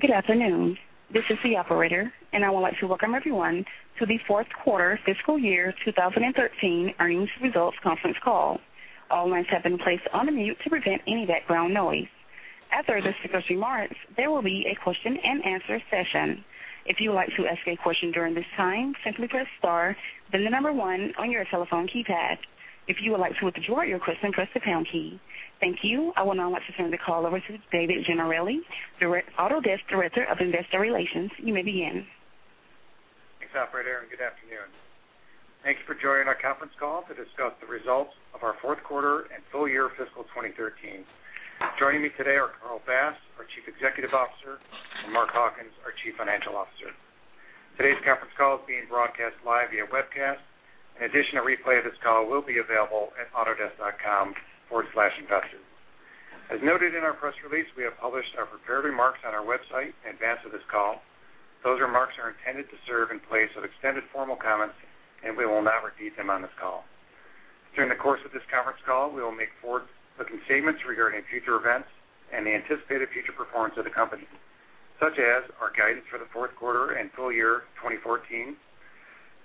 Good afternoon. This is the operator, and I would like to welcome everyone to the fourth quarter fiscal year 2013 earnings results conference call. All lines have been placed on mute to prevent any background noise. After the prepared remarks, there will be a question-and-answer session. If you would like to ask a question during this time, simply press star, then the number 1 on your telephone keypad. If you would like to withdraw your question, press the pound key. Thank you. I would now like to turn the call over to David Gennarelli, Autodesk Director of Investor Relations. You may begin. Thanks, operator, good afternoon. Thank you for joining our conference call to discuss the results of our fourth quarter and full year fiscal 2013. Joining me today are Carl Bass, our Chief Executive Officer, and Mark Hawkins, our Chief Financial Officer. Today's conference call is being broadcast live via webcast. In addition, a replay of this call will be available at autodesk.com/investors. As noted in our press release, we have published our prepared remarks on our website in advance of this call. Those remarks are intended to serve in place of extended formal comments, we will not repeat them on this call. During the course of this conference call, we will make forward-looking statements regarding future events and the anticipated future performance of the company, such as our guidance for the fourth quarter and full year 2014,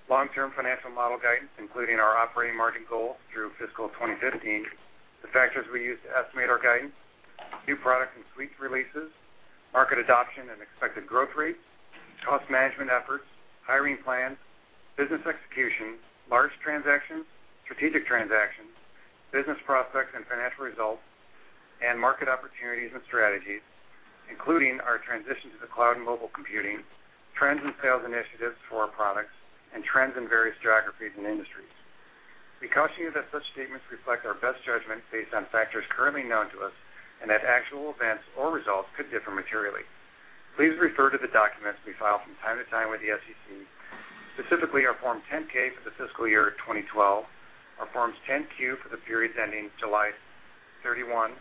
long-term financial model guidance, including our operating margin goal through fiscal 2015, the factors we use to estimate our guidance, new product and suite releases, market adoption and expected growth rates, cost management efforts, hiring plans, business execution, large transactions, strategic transactions, business prospects and financial results, market opportunities and strategies, including our transition to the cloud and mobile computing, trends and sales initiatives for our products, and trends in various geographies and industries. We caution you that such statements reflect our best judgment based on factors currently known to us, actual events or results could differ materially. Please refer to the documents we file from time to time with the SEC, specifically our Form 10-K for the fiscal year 2012, our Forms 10-Q for the periods ending July 31,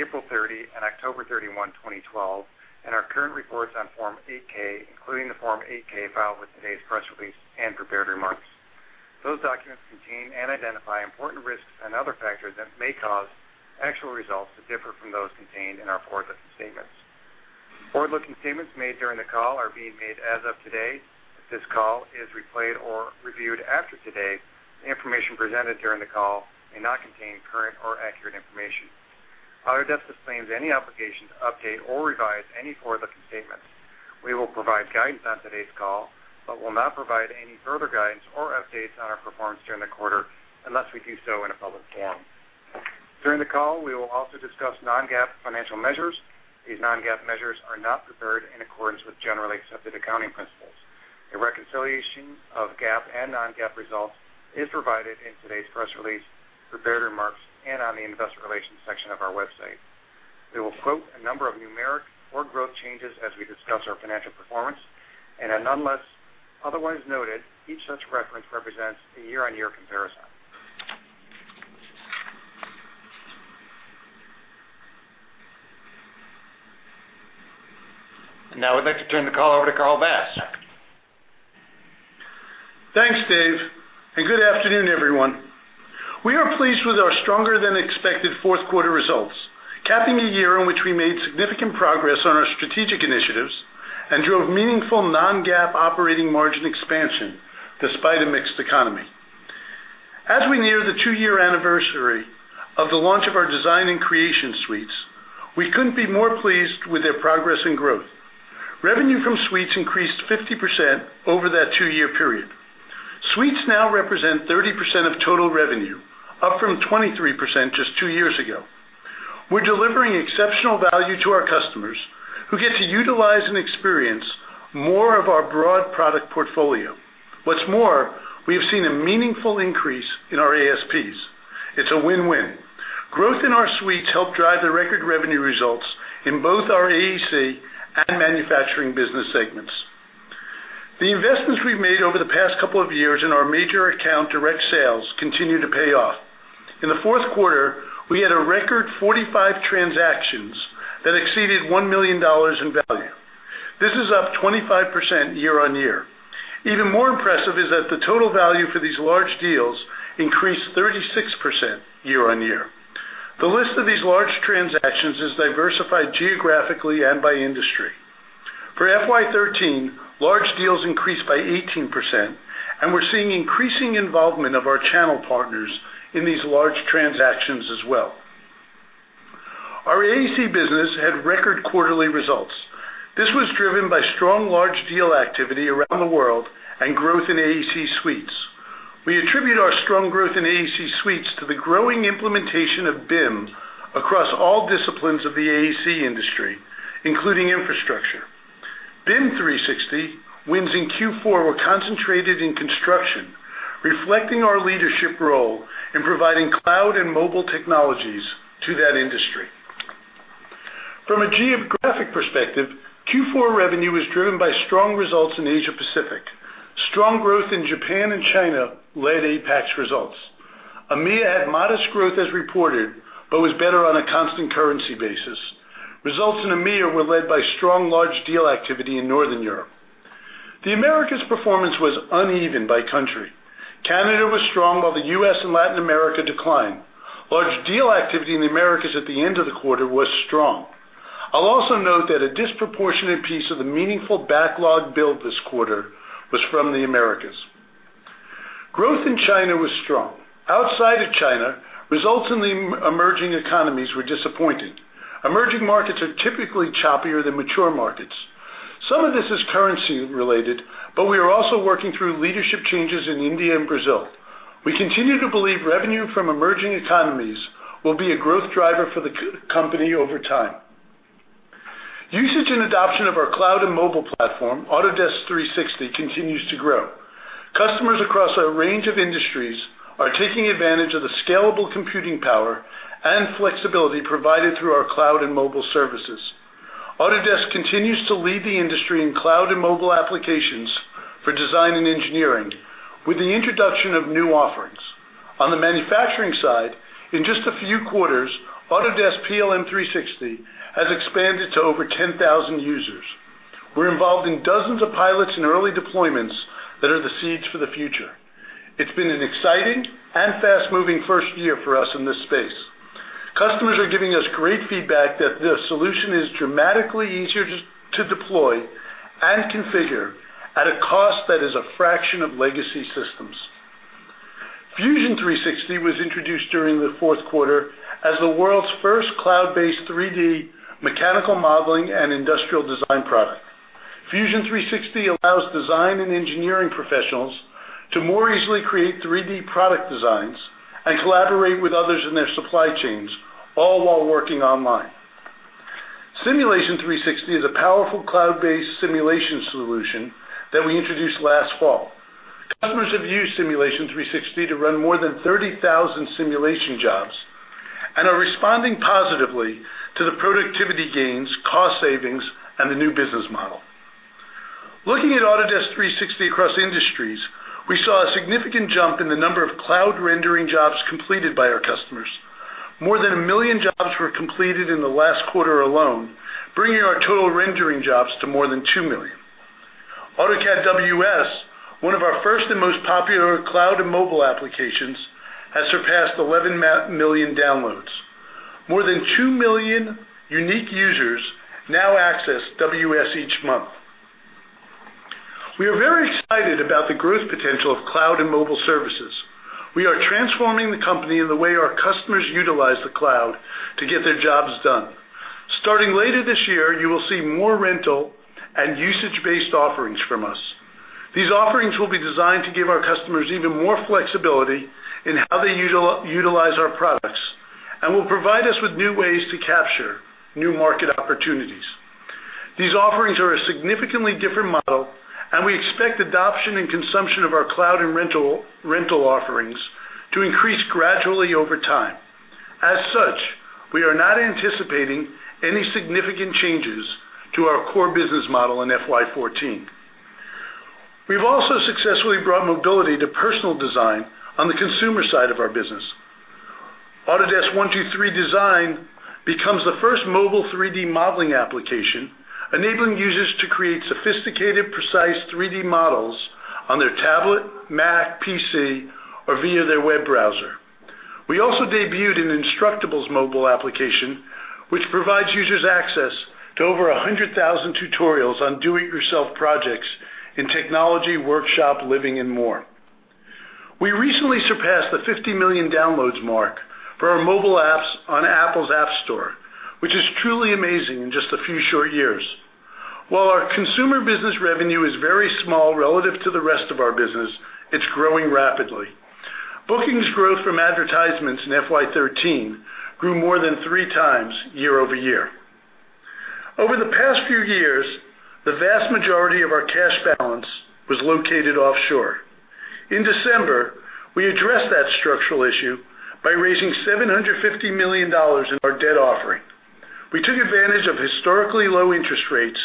April 30, and October 31, 2012, our current reports on Form 8-K, including the Form 8-K filed with today's press release and prepared remarks. Those documents contain and identify important risks and other factors that may cause actual results to differ from those contained in our forward-looking statements. Forward-looking statements made during the call are being made as of today. If this call is replayed or reviewed after today, the information presented during the call may not contain current or accurate information. Autodesk disclaims any obligation to update or revise any forward-looking statements. We will provide guidance on today's call but will not provide any further guidance or updates on our performance during the quarter unless we do so in a public forum. During the call, we will also discuss non-GAAP financial measures. These non-GAAP measures are not prepared in accordance with generally accepted accounting principles. A reconciliation of GAAP and non-GAAP results is provided in today's press release, prepared remarks, and on the investor relations section of our website. We will quote a number of numeric or growth changes as we discuss our financial performance, and unless otherwise noted, each such reference represents a year-on-year comparison. Now I'd like to turn the call over to Carl Bass. Thanks, Dave, and good afternoon, everyone. We are pleased with our stronger-than-expected fourth quarter results, capping a year in which we made significant progress on our strategic initiatives and drove meaningful non-GAAP operating margin expansion despite a mixed economy. As we near the two-year anniversary of the launch of our design and creation suites, we couldn't be more pleased with their progress and growth. Revenue from suites increased 50% over that two-year period. Suites now represent 30% of total revenue, up from 23% just two years ago. We're delivering exceptional value to our customers who get to utilize and experience more of our broad product portfolio. What's more, we have seen a meaningful increase in our ASPs. It's a win-win. Growth in our suites helped drive the record revenue results in both our AEC and manufacturing business segments. The investments we've made over the past couple of years in our major account direct sales continue to pay off. In the fourth quarter, we had a record 45 transactions that exceeded $1 million in value. This is up 25% year-on-year. Even more impressive is that the total value for these large deals increased 36% year-on-year. The list of these large transactions is diversified geographically and by industry. For FY 2013, large deals increased by 18%, and we're seeing increasing involvement of our channel partners in these large transactions as well. Our AEC business had record quarterly results. This was driven by strong large deal activity around the world and growth in AEC suites. We attribute our strong growth in AEC suites to the growing implementation of BIM across all disciplines of the AEC industry, including infrastructure. BIM 360 wins in Q4 were concentrated in construction, reflecting our leadership role in providing cloud and mobile technologies to that industry. From a geographic perspective, Q4 revenue was driven by strong results in Asia-Pacific. Strong growth in Japan and China led APAC's results. EMEA had modest growth as reported but was better on a constant currency basis. Results in EMEA were led by strong large deal activity in Northern Europe. The Americas performance was uneven by country. Canada was strong, while the U.S. and Latin America declined. Large deal activity in the Americas at the end of the quarter was strong. I'll also note that a disproportionate piece of the meaningful backlog build this quarter was from the Americas. Growth in China was strong. Outside of China, results in the emerging economies were disappointing. Emerging markets are typically choppier than mature markets. Some of this is currency-related, but we are also working through leadership changes in India and Brazil. We continue to believe revenue from emerging economies will be a growth driver for the company over time. Usage and adoption of our cloud and mobile platform, Autodesk 360, continues to grow. Customers across a range of industries are taking advantage of the scalable computing power and flexibility provided through our cloud and mobile services. Autodesk continues to lead the industry in cloud and mobile applications for design and engineering with the introduction of new offerings. On the manufacturing side, in just a few quarters, Autodesk PLM 360 has expanded to over 10,000 users. We are involved in dozens of pilots and early deployments that are the seeds for the future. It has been an exciting and fast-moving first year for us in this space. Customers are giving us great feedback that the solution is dramatically easier to deploy and configure at a cost that is a fraction of legacy systems. Fusion 360 was introduced during the fourth quarter as the world's first cloud-based 3D mechanical modeling and industrial design product. Fusion 360 allows design and engineering professionals to more easily create 3D product designs and collaborate with others in their supply chains, all while working online. Autodesk Simulation 360 is a powerful cloud-based simulation solution that we introduced last fall. Customers have used Autodesk Simulation 360 to run more than 30,000 simulation jobs and are responding positively to the productivity gains, cost savings, and the new business model. Looking at Autodesk 360 across industries, we saw a significant jump in the number of cloud rendering jobs completed by our customers. More than 1 million jobs were completed in the last quarter alone, bringing our total rendering jobs to more than 2 million. AutoCAD WS, one of our first and most popular cloud and mobile applications, has surpassed 11 million downloads. More than 2 million unique users now access WS each month. We are very excited about the growth potential of cloud and mobile services. We are transforming the company and the way our customers utilize the cloud to get their jobs done. Starting later this year, you will see more rental and usage-based offerings from us. These offerings will be designed to give our customers even more flexibility in how they utilize our products and will provide us with new ways to capture new market opportunities. These offerings are a significantly different model, and we expect adoption and consumption of our cloud and rental offerings to increase gradually over time. We are not anticipating any significant changes to our core business model in FY 2014. We have also successfully brought mobility to personal design on the consumer side of our business. Autodesk 123D Design becomes the first mobile 3D modeling application, enabling users to create sophisticated, precise 3D models on their tablet, Mac, PC, or via their web browser. We also debuted an Instructables mobile application, which provides users access to over 100,000 tutorials on do-it-yourself projects in technology, workshop, living, and more. We recently surpassed the 50 million downloads mark for our mobile apps on Apple's App Store, which is truly amazing in just a few short years. While our consumer business revenue is very small relative to the rest of our business, it is growing rapidly. Bookings growth from advertisements in FY 2013 grew more than three times year-over-year. Over the past few years, the vast majority of our cash balance was located offshore. In December, we addressed that structural issue by raising $750 million in our debt offering. We took advantage of historically low interest rates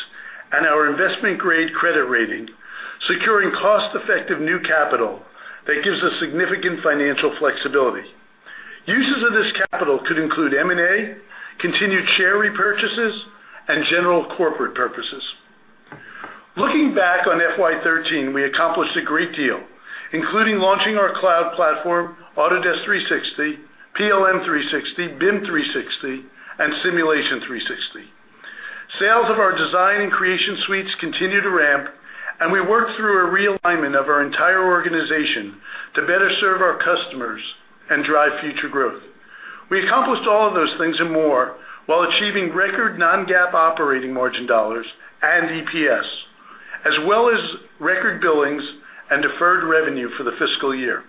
and our investment-grade credit rating, securing cost-effective new capital that gives us significant financial flexibility. Uses of this capital could include M&A, continued share repurchases, and general corporate purposes. Looking back on FY 2013, we accomplished a great deal, including launching our cloud platform, Autodesk 360, PLM 360, BIM 360, and Simulation 360. Sales of our design and creation suites continue to ramp. We worked through a realignment of our entire organization to better serve our customers and drive future growth. We accomplished all of those things and more while achieving record non-GAAP operating margin dollars and EPS, as well as record billings and deferred revenue for the fiscal year.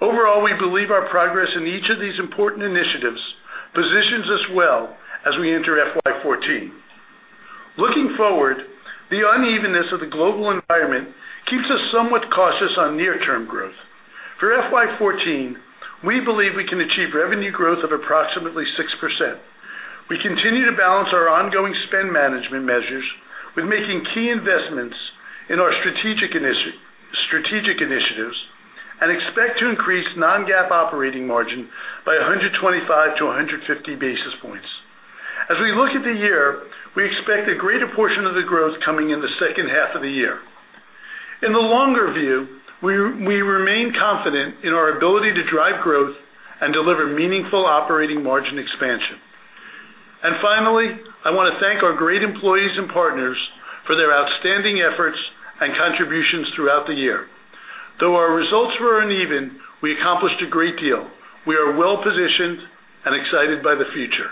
Overall, we believe our progress in each of these important initiatives positions us well as we enter FY 2014. Looking forward, the unevenness of the global environment keeps us somewhat cautious on near-term growth. For FY 2014, we believe we can achieve revenue growth of approximately 6%. We continue to balance our ongoing spend management measures with making key investments in our strategic initiatives and expect to increase non-GAAP operating margin by 125 to 150 basis points. As we look at the year, we expect a greater portion of the growth coming in the second half of the year. In the longer view, we remain confident in our ability to drive growth and deliver meaningful operating margin expansion. Finally, I want to thank our great employees and partners for their outstanding efforts and contributions throughout the year. Though our results were uneven, we accomplished a great deal. We are well-positioned and excited by the future.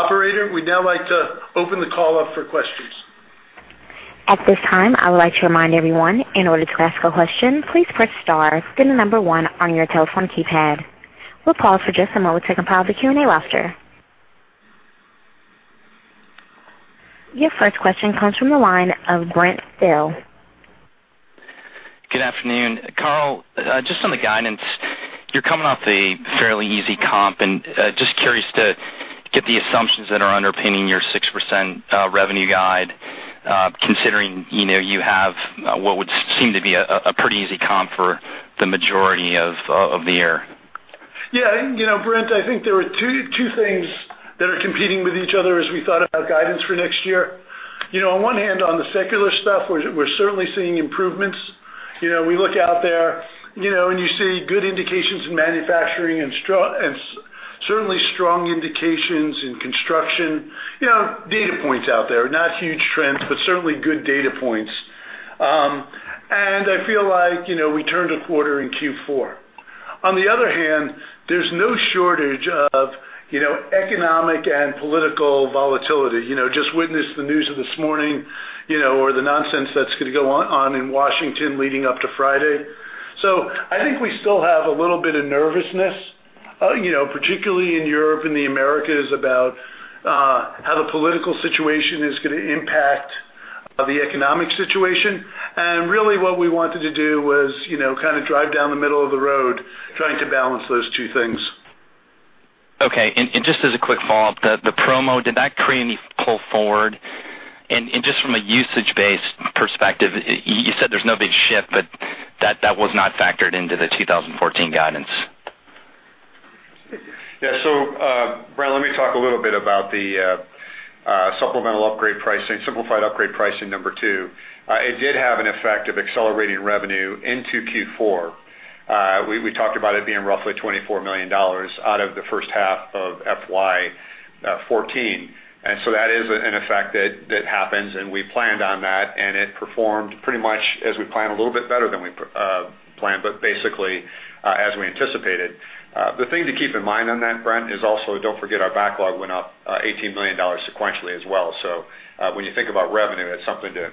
Operator, we'd now like to open the call up for questions. At this time, I would like to remind everyone, in order to ask a question, please press star, then the number 1 on your telephone keypad. We'll pause for just a moment to compile the Q&A roster. Your first question comes from the line of Brent Thill. Good afternoon. Carl, just on the guidance. You're coming off a fairly easy comp, and just curious to get the assumptions that are underpinning your 6% revenue guide, considering you have what would seem to be a pretty easy comp for the majority of the year. Yeah, Brent, I think there are two things that are competing with each other as we thought about guidance for next year. On one hand, on the secular stuff, we're certainly seeing improvements. We look out there and you see good indications in manufacturing and certainly strong indications in construction. Data points out there. Not huge trends, but certainly good data points. I feel like we turned a quarter in Q4. On the other hand, there's no shortage of economic and political volatility. Just witness the news of this morning, or the nonsense that's going to go on in Washington leading up to Friday. I think we still have a little bit of nervousness, particularly in Europe and the Americas, about how the political situation is going to impact the economic situation. Really what we wanted to do was drive down the middle of the road trying to balance those two things. Okay, just as a quick follow-up, the promo, did that create any pull forward? Just from a usage-based perspective, you said there's no big shift, but that was not factored into the 2014 guidance. Yeah. Brent, let me talk a little bit about the supplemental upgrade pricing, simplified upgrade pricing number 2. It did have an effect of accelerating revenue into Q4. We talked about it being roughly $24 million out of the first half of FY 2014. That is an effect that happens, and we planned on that, and it performed pretty much as we planned, a little bit better than we planned, but basically, as we anticipated. The thing to keep in mind on that, Brent, is also don't forget our backlog went up $18 million sequentially as well. When you think about revenue, that's something to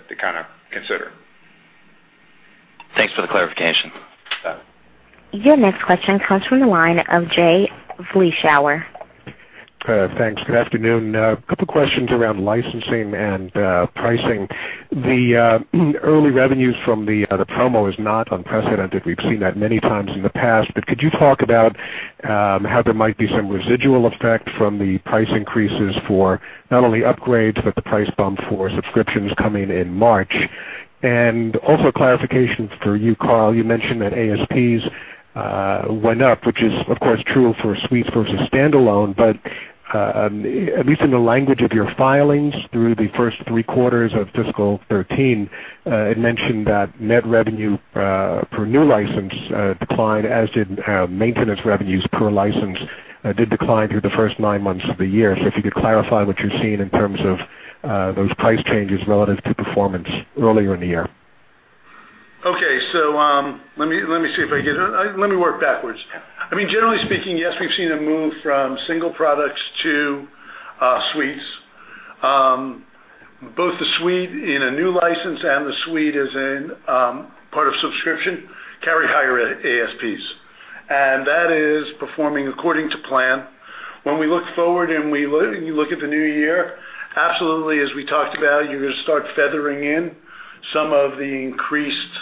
consider. Thanks for the clarification. Yeah. Your next question comes from the line of Jay Vleeschhouwer. Thanks. Good afternoon. A couple questions around licensing and pricing. The early revenues from the promo is not unprecedented. We've seen that many times in the past. Could you talk about how there might be some residual effect from the price increases for not only upgrades, but the price bump for subscriptions coming in March? Also clarification for you, Carl, you mentioned that ASPs went up, which is, of course, true for suites versus standalone. But at least in the language of your filings through the first three quarters of fiscal 2013, it mentioned that net revenue per new license declined, as did maintenance revenues per license, did decline through the first nine months of the year. If you could clarify what you're seeing in terms of those price changes relative to performance earlier in the year. Okay. Let me see if I get it. Let me work backwards. Generally speaking, yes, we've seen a move from single products to suites. Both the suite in a new license and the suite as in part of subscription carry higher ASPs. That is performing according to plan. When we look forward and we look at the new year, absolutely, as we talked about, you're going to start feathering in some of the increased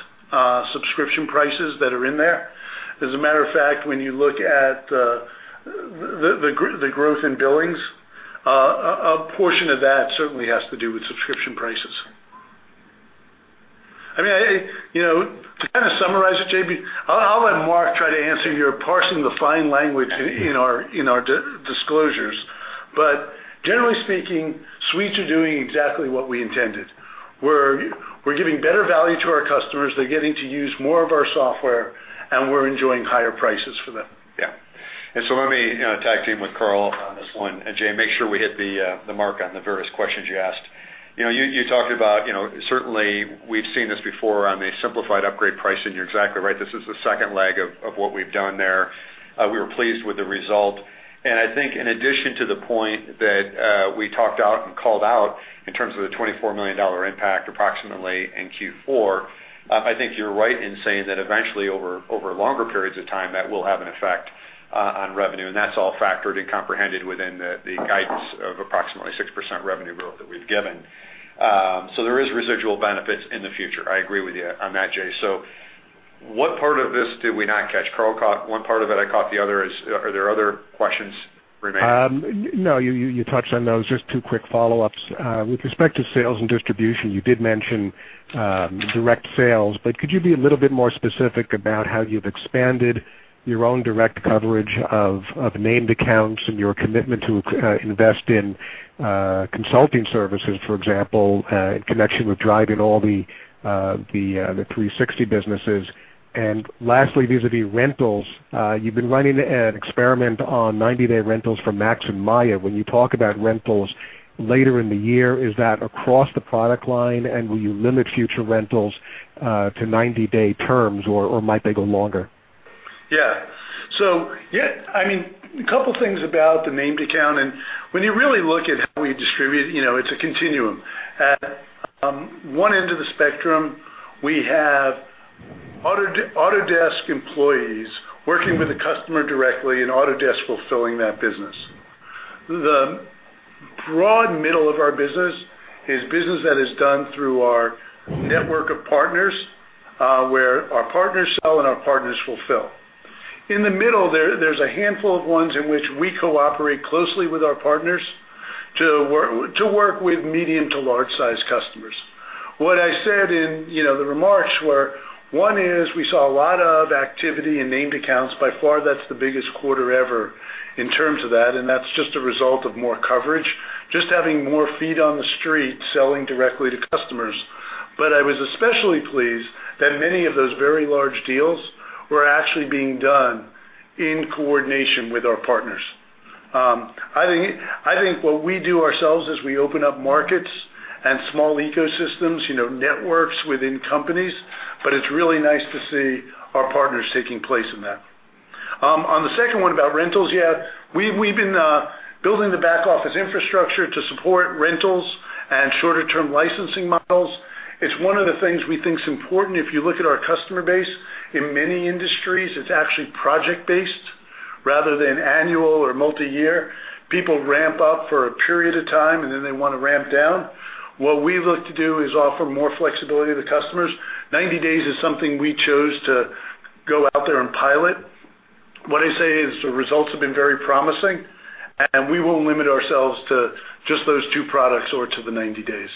subscription prices that are in there. As a matter of fact, when you look at the growth in billings, a portion of that certainly has to do with subscription prices. To kind of summarize it, Jay, I'll let Mark try to answer your parsing the fine language in our disclosures. Generally speaking, suites are doing exactly what we intended. We're giving better value to our customers. They're getting to use more of our software, and we're enjoying higher prices for them. Yeah. Let me tag team with Carl on this one, and Jay, make sure we hit the mark on the various questions you asked. You talked about, certainly we've seen this before on the simplified upgrade pricing. You're exactly right. This is the second leg of what we've done there. We were pleased with the result. I think in addition to the point that we talked out and called out in terms of the $24 million impact approximately in Q4, I think you're right in saying that eventually over longer periods of time, that will have an effect on revenue, and that's all factored and comprehended within the guidance of approximately 6% revenue growth that we've given. There is residual benefits in the future. I agree with you on that, Jay. What part of this did we not catch? Carl caught one part of it, I caught the other. Are there other questions remaining? No, you touched on those. Just two quick follow-ups. With respect to sales and distribution, you did mention direct sales, but could you be a little bit more specific about how you've expanded your own direct coverage of named accounts and your commitment to invest in consulting services, for example, in connection with driving all the 360 businesses? Lastly, vis-à-vis rentals, you've been running an experiment on 90-day rentals for 3ds Max and Maya. When you talk about rentals later in the year, is that across the product line? Will you limit future rentals to 90-day terms, or might they go longer? Yeah. A couple things about the named account, when you really look at how we distribute, it's a continuum. At one end of the spectrum, we have Autodesk employees working with the customer directly, and Autodesk fulfilling that business. The broad middle of our business is business that is done through our network of partners, where our partners sell and our partners fulfill. In the middle there's a handful of ones in which we cooperate closely with our partners to work with medium to large-size customers. What I said in the remarks were, one is we saw a lot of activity in named accounts. By far, that's the biggest quarter ever in terms of that's just a result of more coverage, just having more feet on the street selling directly to customers. I was especially pleased that many of those very large deals were actually being done in coordination with our partners. I think what we do ourselves is we open up markets and small ecosystems, networks within companies, but it's really nice to see our partners taking place in that. On the second one about rentals, yeah, we've been building the back-office infrastructure to support rentals and shorter-term licensing models. It's one of the things we think is important. If you look at our customer base, in many industries, it's actually project-based rather than annual or multi-year. People ramp up for a period of time, and then they want to ramp down. What we look to do is offer more flexibility to customers. 90 days is something we chose to go out there and pilot. What I say is the results have been very promising, we won't limit ourselves to just those two products or to the 90 days.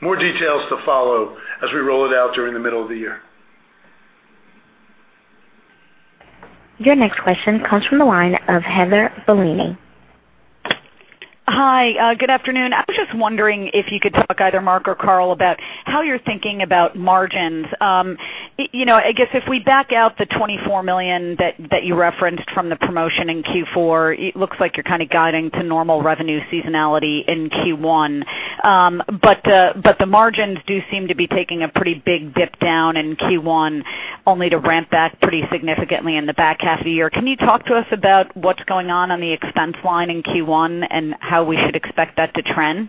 More details to follow as we roll it out during the middle of the year. Your next question comes from the line of Heather Bellini. Hi. Good afternoon. I was just wondering if you could talk, either Mark or Carl, about how you're thinking about margins. I guess if we back out the $24 million that you referenced from the promotion in Q4, it looks like you're kind of guiding to normal revenue seasonality in Q1. The margins do seem to be taking a pretty big dip down in Q1, only to ramp back pretty significantly in the back half of the year. Can you talk to us about what's going on on the expense line in Q1 and how we should expect that to trend?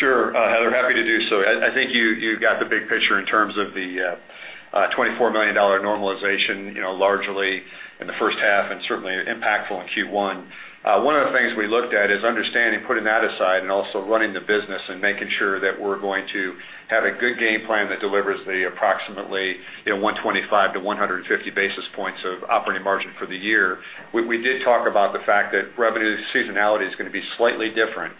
Sure Heather, happy to do so. I think you got the big picture in terms of the $24 million normalization, largely in the first half and certainly impactful in Q1. One of the things we looked at is understanding, putting that aside, and also running the business and making sure that we're going to have a good game plan that delivers the approximately 125-150 basis points of operating margin for the year. We did talk about the fact that revenue seasonality is going to be slightly different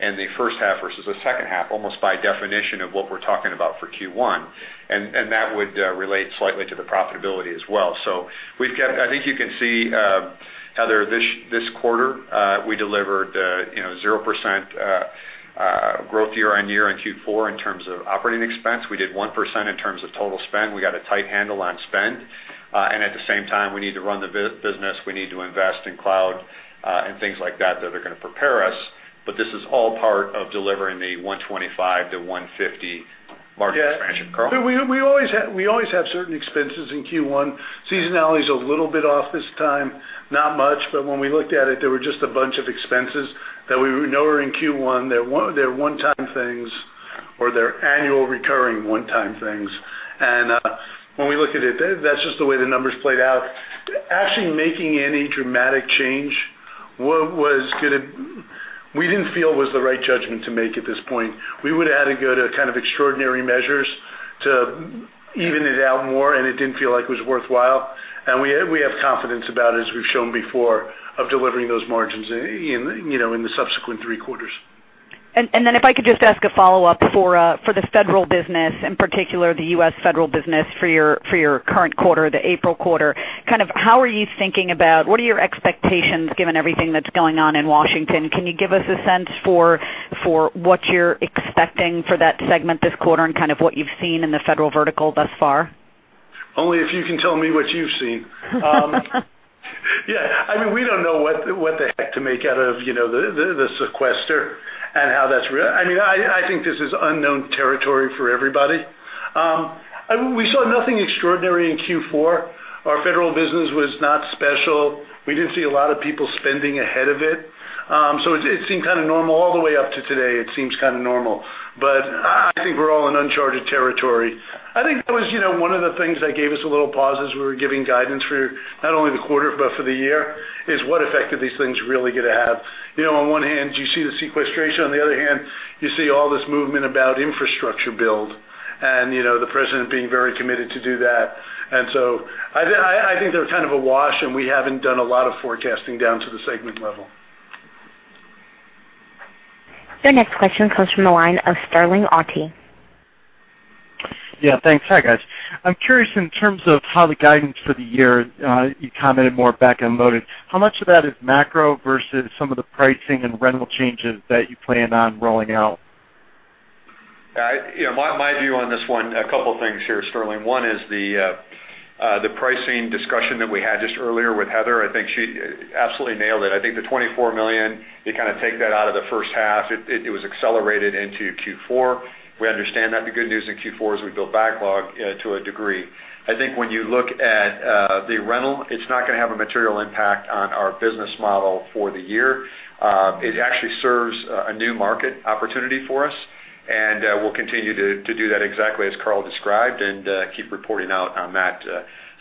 in the first half versus the second half, almost by definition of what we're talking about for Q1. That would relate slightly to the profitability as well. I think you can see, Heather, this quarter, we delivered 0% growth year-over-year in Q4 in terms of operating expense. We did 1% in terms of total spend. We got a tight handle on spend. At the same time, we need to run the business. We need to invest in cloud and things like that are going to prepare us. This is all part of delivering the 125-150 margin expansion. Carl? We always have certain expenses in Q1. Seasonality is a little bit off this time, not much, but when we looked at it, there were just a bunch of expenses that we know are in Q1, they're one-time things, or they're annual recurring one-time things. When we look at it, that's just the way the numbers played out. Actually making any dramatic change, we didn't feel was the right judgment to make at this point. We would've had to go to extraordinary measures to even it out more, and it didn't feel like it was worthwhile. We have confidence about it, as we've shown before, of delivering those margins in the subsequent three quarters. If I could just ask a follow-up for the federal business, in particular, the U.S. federal business for your current quarter, the April quarter. What are your expectations given everything that's going on in Washington? Can you give us a sense for what you're expecting for that segment this quarter and what you've seen in the federal vertical thus far? Only if you can tell me what you've seen. Yeah. We don't know what the heck to make out of the sequester and how that's real. I think this is unknown territory for everybody. We saw nothing extraordinary in Q4. Our federal business was not special. We didn't see a lot of people spending ahead of it. It seemed kind of normal. All the way up to today, it seems kind of normal. I think we're all in uncharted territory. I think that was one of the things that gave us a little pause as we were giving guidance for not only the quarter, but for the year, is what effect are these things really going to have? On one hand, you see the sequestration, on the other hand, you see all this movement about infrastructure build. The president being very committed to do that. I think they're kind of a wash, and we haven't done a lot of forecasting down to the segment level. Your next question comes from the line of Sterling Auty. Yeah, thanks. Hi, guys. I'm curious in terms of how the guidance for the year, you commented more back-end loaded. How much of that is macro versus some of the pricing and rental changes that you plan on rolling out? My view on this one, a couple things here, Sterling. One is the pricing discussion that we had just earlier with Heather. I think she absolutely nailed it. I think the $24 million, you kind of take that out of the first half. It was accelerated into Q4. We understand that. The good news in Q4 is we build backlog to a degree. I think when you look at the rental, it's not going to have a material impact on our business model for the year. It actually serves a new market opportunity for us, and we'll continue to do that exactly as Carl described and keep reporting out on that.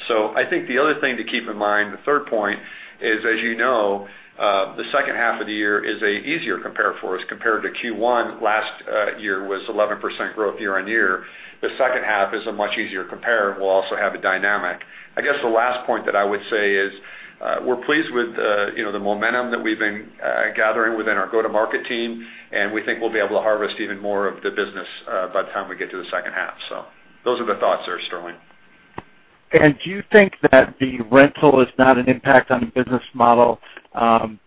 I think the other thing to keep in mind, the third point is, as you know, the second half of the year is easier compare for us. Compared to Q1 last year was 11% growth year-on-year. The second half is a much easier compare. We'll also have a dynamic. I guess the last point that I would say is, we're pleased with the momentum that we've been gathering within our go-to-market team, and we think we'll be able to harvest even more of the business by the time we get to the second half. Those are the thoughts there, Sterling. Do you think that the rental is not an impact on the business model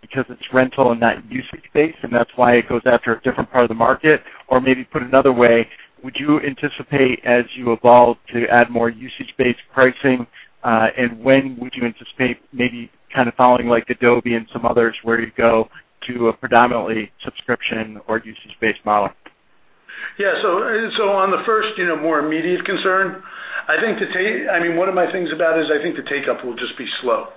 because it's rental and not usage-based, and that's why it goes after a different part of the market? Or maybe put another way, would you anticipate as you evolve to add more usage-based pricing, and when would you anticipate maybe kind of following like Adobe and some others, where you go to a predominantly subscription or usage-based model? On the first more immediate concern, one of my things about is I think the take-up will just be slow.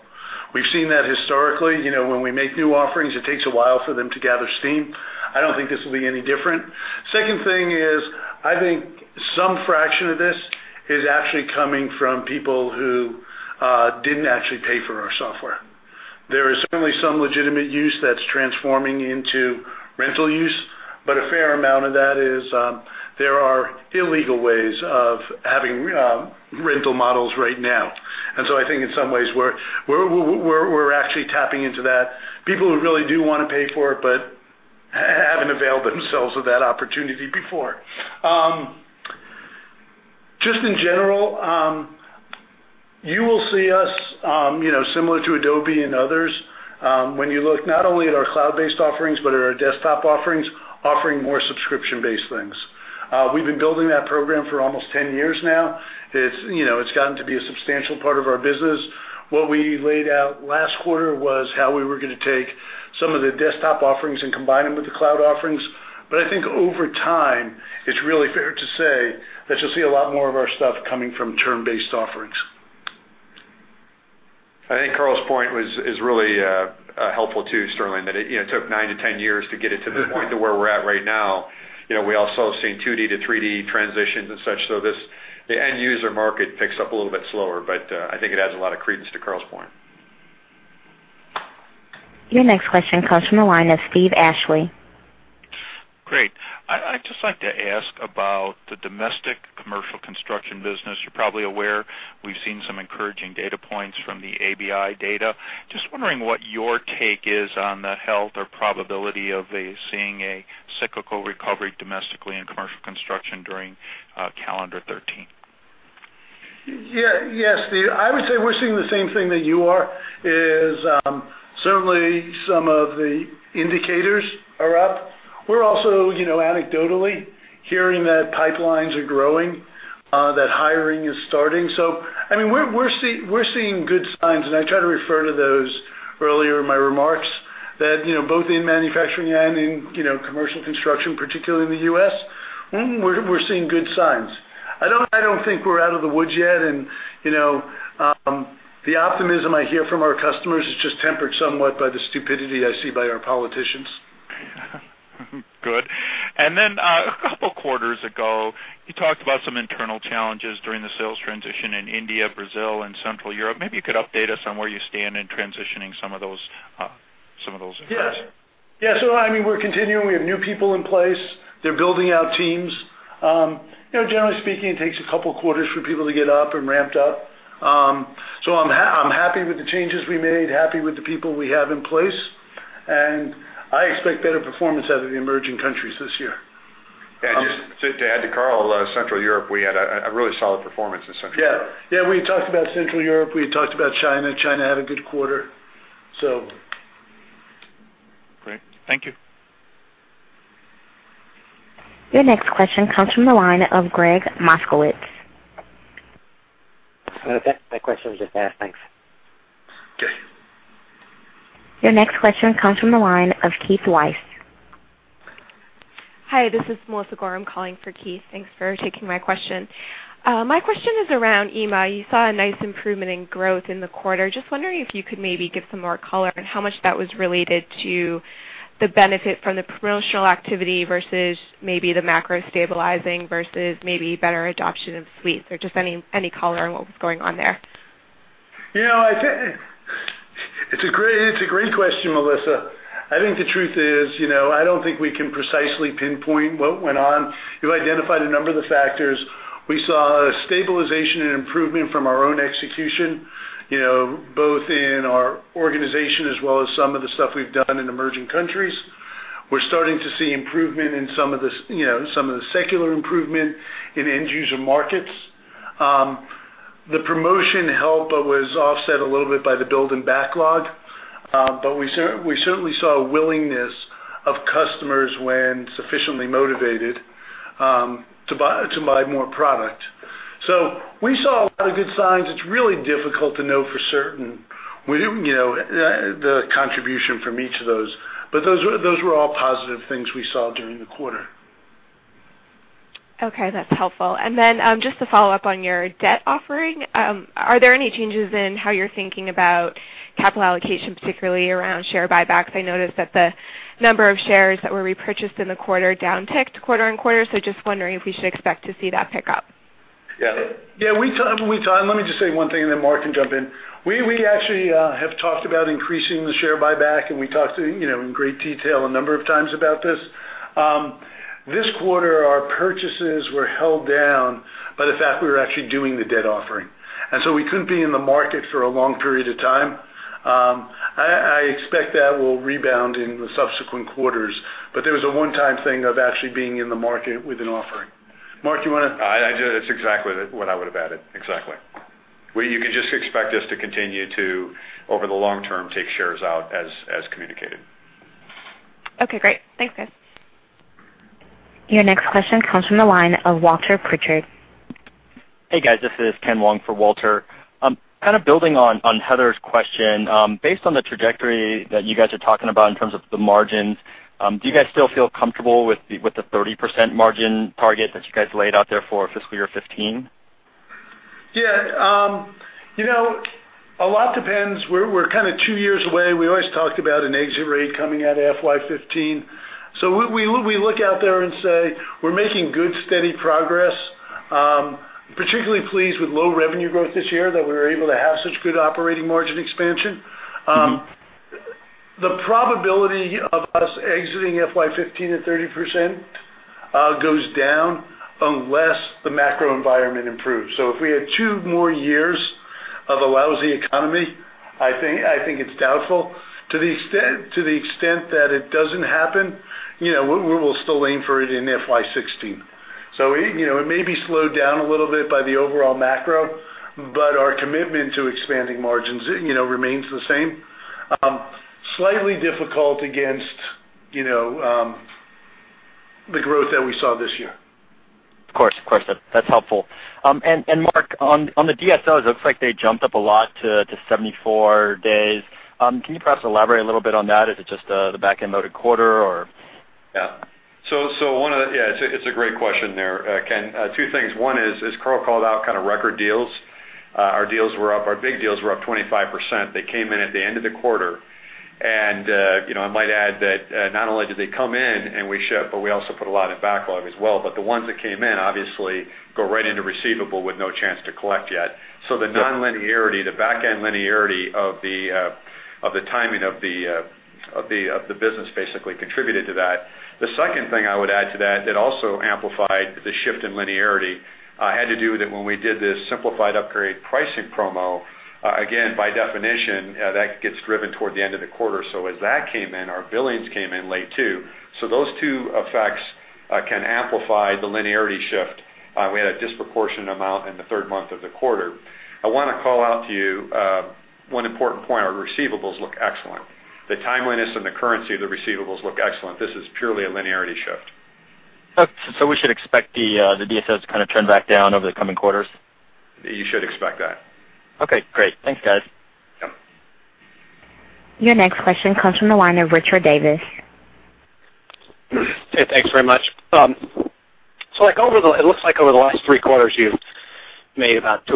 We've seen that historically. When we make new offerings, it takes a while for them to gather steam. I don't think this will be any different. Second thing is, I think some fraction of this is actually coming from people who didn't actually pay for our software. There is certainly some legitimate use that's transforming into rental use, but a fair amount of that is, there are illegal ways of having rental models right now. I think in some ways, we're actually tapping into that. People who really do want to pay for it but haven't availed themselves of that opportunity before. Just in general, you will see us, similar to Adobe and others, when you look not only at our cloud-based offerings, but at our desktop offerings, offering more subscription-based things. We've been building that program for almost 10 years now. It's gotten to be a substantial part of our business. What we laid out last quarter was how we were going to take some of the desktop offerings and combine them with the cloud offerings. I think over time, it's really fair to say that you'll see a lot more of our stuff coming from term-based offerings. I think Carl's point is really helpful too, Sterling, that it took nine to 10 years to get it to the point of where we're at right now. We also have seen 2D to 3D transitions and such, the end user market picks up a little bit slower, but I think it adds a lot of credence to Carl's point. Your next question comes from the line of Steven Ashley. Great. I'd just like to ask about the domestic commercial construction business. You're probably aware we've seen some encouraging data points from the ABI data. Just wondering what your take is on the health or probability of seeing a cyclical recovery domestically in commercial construction during calendar 2013. Yes, Steve. I would say we're seeing the same thing that you are, is certainly some of the indicators are up. We're also anecdotally hearing that pipelines are growing, that hiring is starting. We're seeing good signs, and I try to refer to those earlier in my remarks that both in manufacturing and in commercial construction, particularly in the U.S., we're seeing good signs. I don't think we're out of the woods yet, and the optimism I hear from our customers is just tempered somewhat by the stupidity I see by our politicians. A couple quarters ago, you talked about some internal challenges during the sales transition in India, Brazil, and Central Europe. Maybe you could update us on where you stand in transitioning some of those. Yes. We're continuing. We have new people in place. They're building out teams. Generally speaking, it takes a couple quarters for people to get up and ramped up. I'm happy with the changes we made, happy with the people we have in place, and I expect better performance out of the emerging countries this year. Just to add to Carl, Central Europe, we had a really solid performance in Central Europe. Yeah. We talked about Central Europe. We talked about China. China had a good quarter. Great. Thank you. Your next question comes from the line of Gregg Moskowitz. That question is just asked. Thanks. Your next question comes from the line of Keith Weiss. Hi, this is Melissa Gorham calling for Keith. Thanks for taking my question. My question is around EMEA. You saw a nice improvement in growth in the quarter. Just wondering if you could maybe give some more color on how much that was related to the benefit from the promotional activity versus maybe the macro stabilizing versus maybe better adoption of suites, or just any color on what was going on there. It's a great question, Melissa. I think the truth is, I don't think we can precisely pinpoint what went on. You identified a number of the factors. We saw a stabilization and improvement from our own execution, both in our organization as well as some of the stuff we've done in emerging countries. We're starting to see improvement in some of the secular improvement in end user markets. The promotion help was offset a little bit by the build and backlog. We certainly saw a willingness of customers when sufficiently motivated, to buy more product. We saw a lot of good signs. It's really difficult to know for certain the contribution from each of those, but those were all positive things we saw during the quarter. Okay, that's helpful. Just to follow up on your debt offering, are there any changes in how you're thinking about capital allocation, particularly around share buybacks? I noticed that the number of shares that were repurchased in the quarter downticked quarter-on-quarter. Just wondering if we should expect to see that pick up. Yeah. Let me just say one thing and then Mark can jump in. We actually have talked about increasing the share buyback, and we talked in great detail a number of times about this. This quarter, our purchases were held down by the fact we were actually doing the debt offering, we couldn't be in the market for a long period of time. I expect that will rebound in the subsequent quarters, but there was a one-time thing of actually being in the market with an offering. Mark, you want to- That's exactly what I would have added. Exactly. You can just expect us to continue to, over the long term, take shares out as communicated. Okay, great. Thanks, guys. Your next question comes from the line of Walter Pritchard. Hey, guys, this is Ken Wong for Walter. Kind of building on Heather's question, based on the trajectory that you guys are talking about in terms of the margins, do you guys still feel comfortable with the 30% margin target that you guys laid out there for fiscal year 2015? Yeah. A lot depends. We're kind of two years away. We always talked about an exit rate coming out of FY 2015. We look out there and say we're making good, steady progress. Particularly pleased with low revenue growth this year, that we were able to have such good operating margin expansion. The probability of us exiting FY 2015 at 30% goes down unless the macro environment improves. If we had two more years of a lousy economy, I think it's doubtful. To the extent that it doesn't happen, we'll still aim for it in FY 2016. It may be slowed down a little bit by the overall macro, but our commitment to expanding margins remains the same. Slightly difficult against the growth that we saw this year. Of course. That's helpful. Mark, on the DSOs, it looks like they jumped up a lot to 74 days. Can you perhaps elaborate a little bit on that? Is it just the back-end loaded quarter or Yeah. It's a great question there, Ken Wong. Two things. One is, as Carl Bass called out, kind of record deals. Our deals were up, our big deals were up 25%. They came in at the end of the quarter. I might add that not only did they come in and we ship, but we also put a lot in backlog as well. The ones that came in obviously go right into receivable with no chance to collect yet. The non-linearity, the back-end linearity of the timing of the business basically contributed to that. The second thing I would add to that also amplified the shift in linearity, had to do with when we did this simplified upgrade pricing promo. By definition, that gets driven toward the end of the quarter. As that came in, our billings came in late, too. Those two effects can amplify the linearity shift. We had a disproportionate amount in the third month of the quarter. I want to call out to you one important point. Our receivables look excellent. The timeliness and the currency of the receivables look excellent. This is purely a linearity shift. We should expect the DSO to kind of trend back down over the coming quarters? You should expect that. Okay, great. Thanks, guys. Yeah. Your next question comes from the line of Richard Davis. Hey, thanks very much. It looks like over the last three quarters, you've made about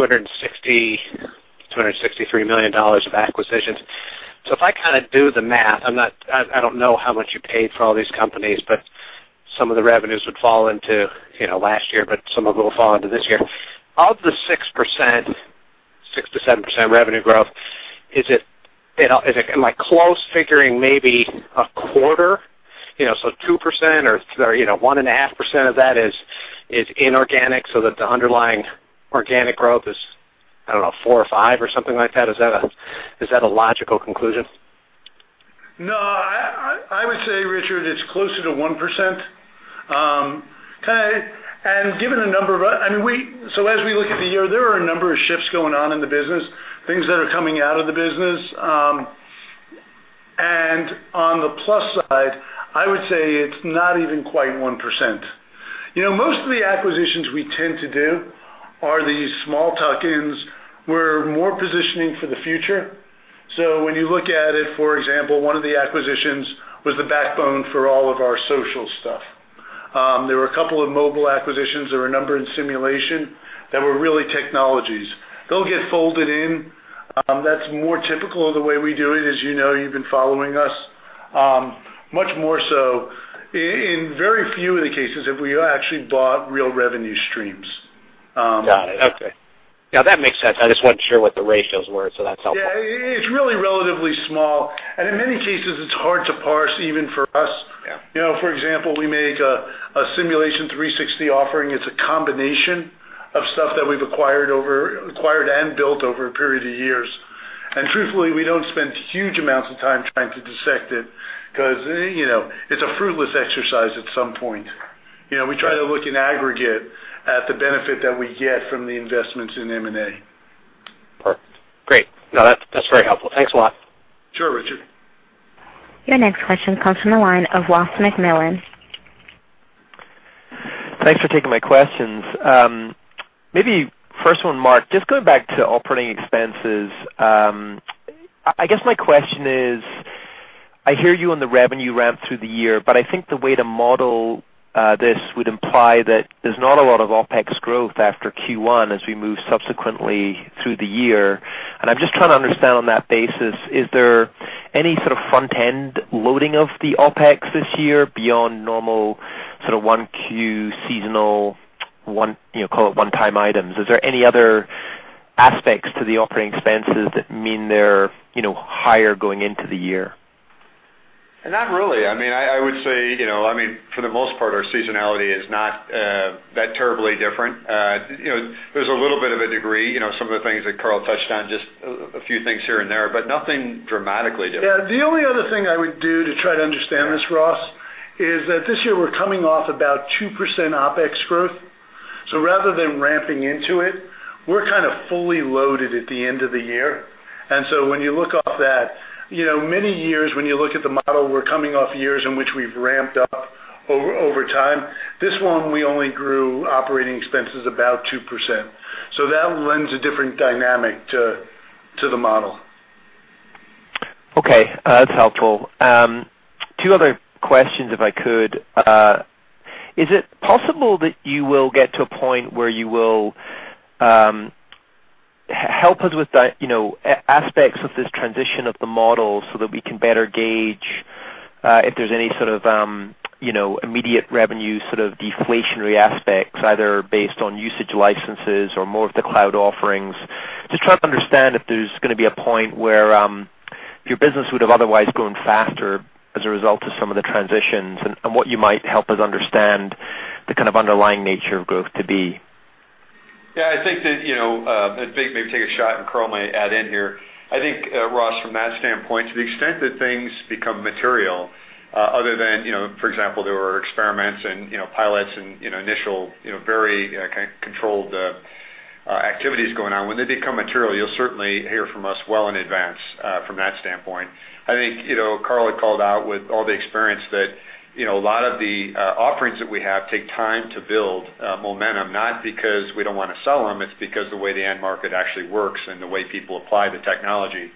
$263 million of acquisitions. If I do the math, I don't know how much you paid for all these companies, but some of the revenues would fall into last year, but some of them will fall into this year. Of the 6%-7% revenue growth, am I close figuring maybe a quarter? 2% or 1.5% of that is inorganic so that the underlying organic growth is, I don't know, 4% or 5% or something like that. Is that a logical conclusion? No, I would say, Richard, it's closer to 1%. As we look at the year, there are a number of shifts going on in the business, things that are coming out of the business. On the plus side, I would say it's not even quite 1%. Most of the acquisitions we tend to do are these small tuck-ins. We're more positioning for the future. When you look at it, for example, one of the acquisitions was the backbone for all of our social stuff. There were a couple of mobile acquisitions. There were a number in simulation that were really technologies. They'll get folded in. That's more typical of the way we do it, as you know, you've been following us, much more so. In very few of the cases have we actually bought real revenue streams. Got it. Okay. That makes sense. I just wasn't sure what the ratios were, so that's helpful. It's really relatively small. In many cases, it's hard to parse even for us. Yeah. For example, we make a Simulation 360 offering. It's a combination of stuff that we've acquired and built over a period of years. Truthfully, we don't spend huge amounts of time trying to dissect it because it's a fruitless exercise at some point. We try to look in aggregate at the benefit that we get from the investments in M&A. Perfect. Great. No, that's very helpful. Thanks a lot. Sure, Richard. Your next question comes from the line of Ross MacMillan. Thanks for taking my questions. Maybe first one, Mark, just going back to operating expenses. I guess my question is, I hear you on the revenue ramp through the year, but I think the way to model this would imply that there's not a lot of OpEx growth after Q1 as we move subsequently through the year. I'm just trying to understand on that basis, is there any sort of front-end loading of the OpEx this year beyond normal sort of Q1 seasonal, call it one-time items? Is there any other aspects to the operating expenses that mean they're higher going into the year? Not really. I would say, for the most part, our seasonality is not that terribly different. There's a little bit of a degree, some of the things that Carl touched on, just a few things here and there, but nothing dramatically different. Yeah. The only other thing I would do to try to understand this, Ross, is that this year we're coming off about 2% OpEx growth. Rather than ramping into it, we're kind of fully loaded at the end of the year. When you look off that, many years when you look at the model, we're coming off years in which we've ramped up over time. This one, we only grew operating expenses about 2%. That lends a different dynamic to the model. Okay. That's helpful. Two other questions, if I could. Is it possible that you will get to a point where you will help us with aspects of this transition of the model so that we can better gauge if there's any sort of immediate revenue sort of deflationary aspects, either based on usage licenses or more of the cloud offerings, to try to understand if there's going to be a point where your business would have otherwise grown faster as a result of some of the transitions and what you might help us understand the kind of underlying nature of growth to be? Yeah, I'll maybe take a shot and Carl may add in here. I think, Ross, from that standpoint, to the extent that things become material other than, for example, there were experiments and pilots and initial very kind of controlled activities going on. When they become material, you'll certainly hear from us well in advance from that standpoint. I think Carl had called out with all the experience that a lot of the offerings that we have take time to build momentum, not because we don't want to sell them. It's because the way the end market actually works and the way people apply the technology.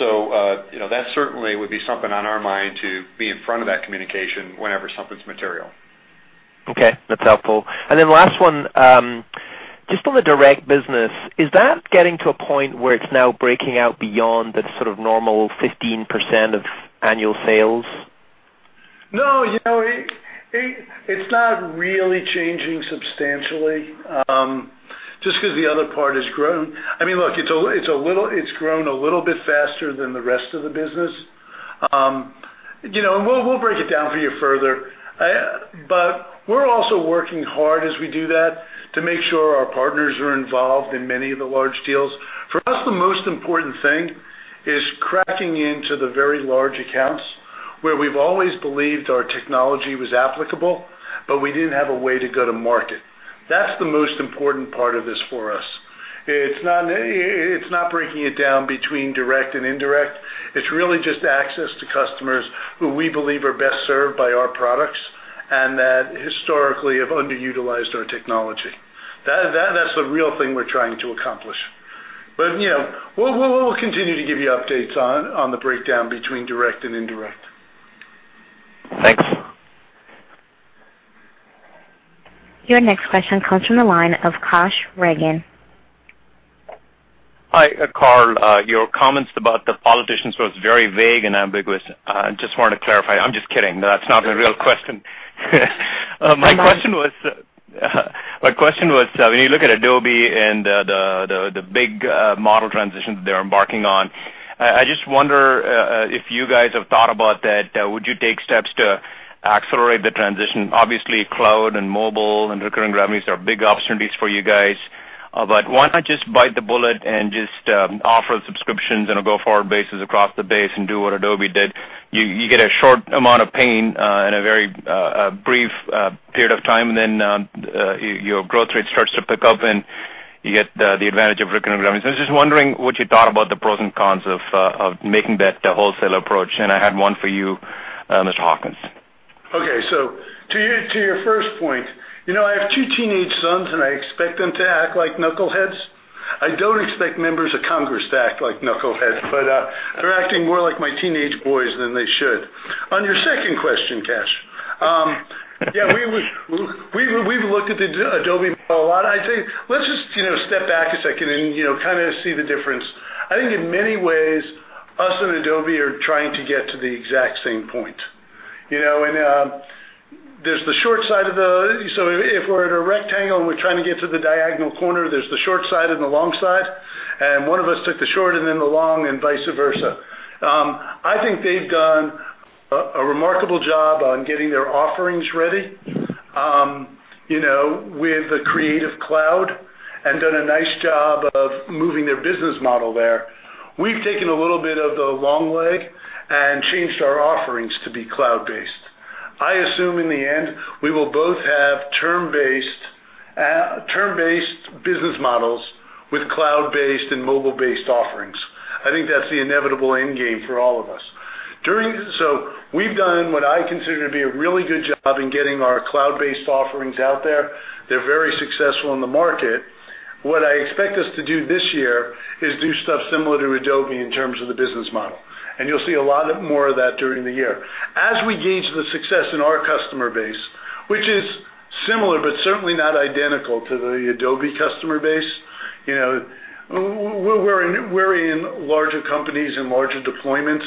That certainly would be something on our mind to be in front of that communication whenever something's material. Okay, that's helpful. Last one, just on the direct business, is that getting to a point where it's now breaking out beyond the sort of normal 15% of annual sales? No, it's not really changing substantially, just because the other part has grown. Look, it's grown a little bit faster than the rest of the business. We'll break it down for you further. We're also working hard as we do that to make sure our partners are involved in many of the large deals. For us, the most important thing is cracking into the very large accounts where we've always believed our technology was applicable, but we didn't have a way to go to market. That's the most important part of this for us. It's not breaking it down between direct and indirect. It's really just access to customers who we believe are best served by our products and that historically have underutilized our technology. That's the real thing we're trying to accomplish. We'll continue to give you updates on the breakdown between direct and indirect. Thanks. Your next question comes from the line of Kash Rangan. Hi, Carl. Your comments about the politicians was very vague and ambiguous. Just wanted to clarify. I'm just kidding. That's not my real question. My question was, when you look at Adobe and the big model transitions they're embarking on, I just wonder if you guys have thought about that. Would you take steps to accelerate the transition? Obviously, cloud and mobile and recurring revenues are big opportunities for you guys. Why not just bite the bullet and just offer subscriptions on a go-forward basis across the base and do what Adobe did? You get a short amount of pain in a very brief period of time, and then your growth rate starts to pick up, and you get the advantage of recurring revenues. I was just wondering what you thought about the pros and cons of making that wholesale approach. I had one for you, Mr. Hawkins. To your first point, I have two teenage sons, and I expect them to act like knuckleheads. I don't expect members of Congress to act like knuckleheads, but they're acting more like my teenage boys than they should. On your second question, Kash, yeah, we've looked at the Adobe model a lot. I'd say let's just step back a second and kind of see the difference. I think in many ways, us and Adobe are trying to get to the exact same point. If we're at a rectangle, and we're trying to get to the diagonal corner, there's the short side and the long side, and one of us took the short and then the long, and vice versa. I think they've done a remarkable job on getting their offerings ready, with the Creative Cloud, and done a nice job of moving their business model there. We've taken a little bit of the long leg and changed our offerings to be cloud-based. I assume, in the end, we will both have term-based business models with cloud-based and mobile-based offerings. I think that's the inevitable end game for all of us. We've done what I consider to be a really good job in getting our cloud-based offerings out there. They're very successful in the market. What I expect us to do this year is do stuff similar to Adobe in terms of the business model, and you'll see a lot more of that during the year. As we gauge the success in our customer base, which is similar, but certainly not identical to the Adobe customer base. We're in larger companies and larger deployments.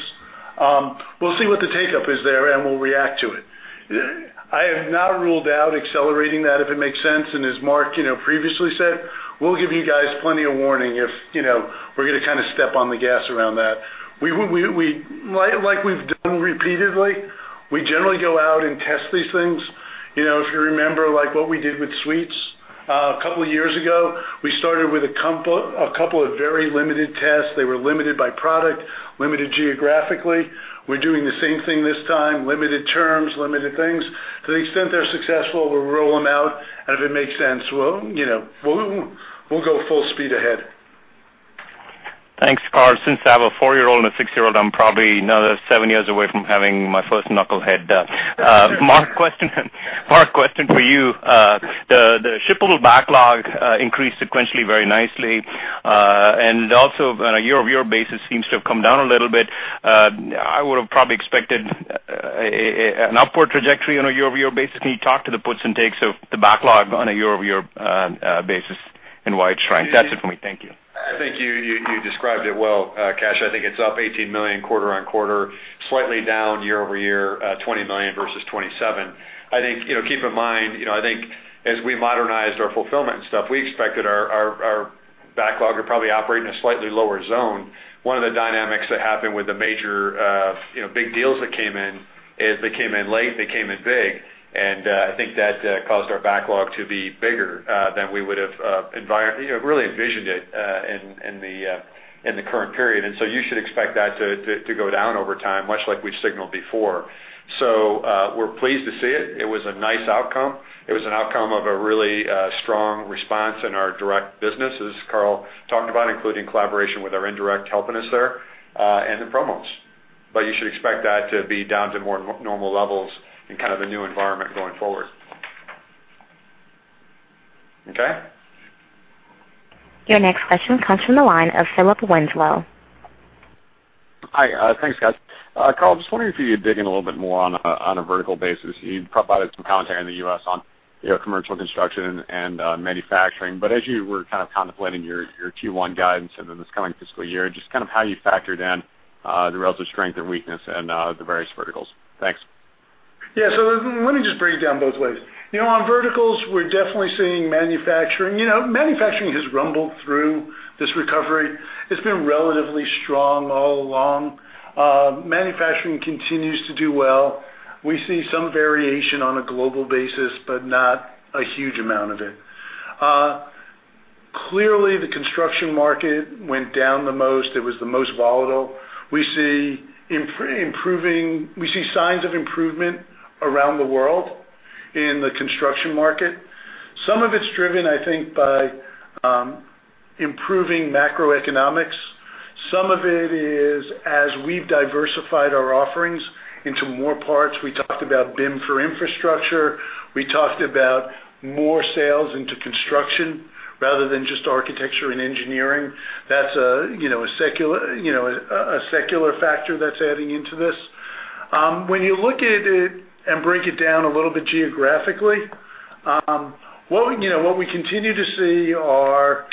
We'll see what the take-up is there, and we'll react to it. I have not ruled out accelerating that if it makes sense, and as Mark previously said, we'll give you guys plenty of warning if we're going to step on the gas around that. Like we've done repeatedly, we generally go out and test these things. If you remember what we did with Suites a couple of years ago, we started with a couple of very limited tests. They were limited by product, limited geographically. We're doing the same thing this time, limited terms, limited things. To the extent they're successful, we'll roll them out, and if it makes sense, we'll go full speed ahead. Thanks, Carl. Since I have a four-year-old and a six-year-old, I'm probably another seven years away from having my first knucklehead. Mark, question for you. The shippable backlog increased sequentially very nicely. Also on a year-over-year basis seems to have come down a little bit. I would've probably expected an upward trajectory on a year-over-year basis. Can you talk to the puts and takes of the backlog on a year-over-year basis, and why it's shrinking? That's it for me. Thank you. I think you described it well, Kash. I think it's up $18 million quarter-on-quarter, slightly down year-over-year, $20 million versus $27 million. Keep in mind, I think as we modernized our fulfillment and stuff, we expected our backlog would probably operate in a slightly lower zone. One of the dynamics that happened with the major big deals that came in is they came in late, they came in big, I think that caused our backlog to be bigger than we would've really envisioned it in the current period. You should expect that to go down over time, much like we've signaled before. We're pleased to see it. It was a nice outcome. It was an outcome of a really strong response in our direct business, as Carl talked about, including collaboration with our indirect helping us there, the promos. You should expect that to be down to more normal levels in the new environment going forward. Okay. Your next question comes from the line of Philip Winslow. Hi. Thanks, guys. Carl, just wondering if you could dig in a little bit more on a vertical basis. You provided some commentary on the U.S. on commercial construction and manufacturing. As you were contemplating your Q1 guidance this coming fiscal year, just how you factored in the relative strength and weakness in the various verticals. Thanks. Yeah. Let me just break it down both ways. On verticals, we're definitely seeing manufacturing. Manufacturing has rumbled through this recovery. It's been relatively strong all along. Manufacturing continues to do well. We see some variation on a global basis, but not a huge amount of it. Clearly, the construction market went down the most. It was the most volatile. We see signs of improvement around the world in the construction market. Some of it's driven, I think, by improving macroeconomics. Some of it is as we've diversified our offerings into more parts. We talked about BIM for infrastructure. We talked about more sales into construction rather than just architecture and engineering. That's a secular factor that's adding into this. When you look at it and break it down a little bit geographically, what we continue to see are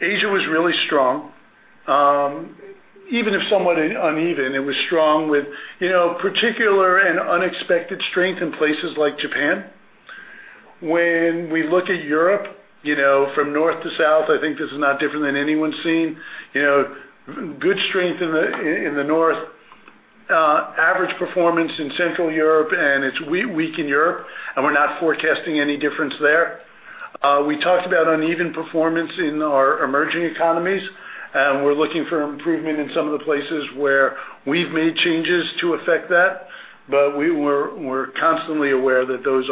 Asia was really strong. Even if somewhat uneven, it was strong with particular and unexpected strength in places like Japan. When we look at Europe, from north to south, I think this is not different than anyone's seen. Good strength in the north, average performance in Central Europe, and it's weak in Europe, and we're not forecasting any difference there. We talked about uneven performance in our emerging economies, and we're looking for improvement in some of the places where we've made changes to affect that. We're constantly aware that those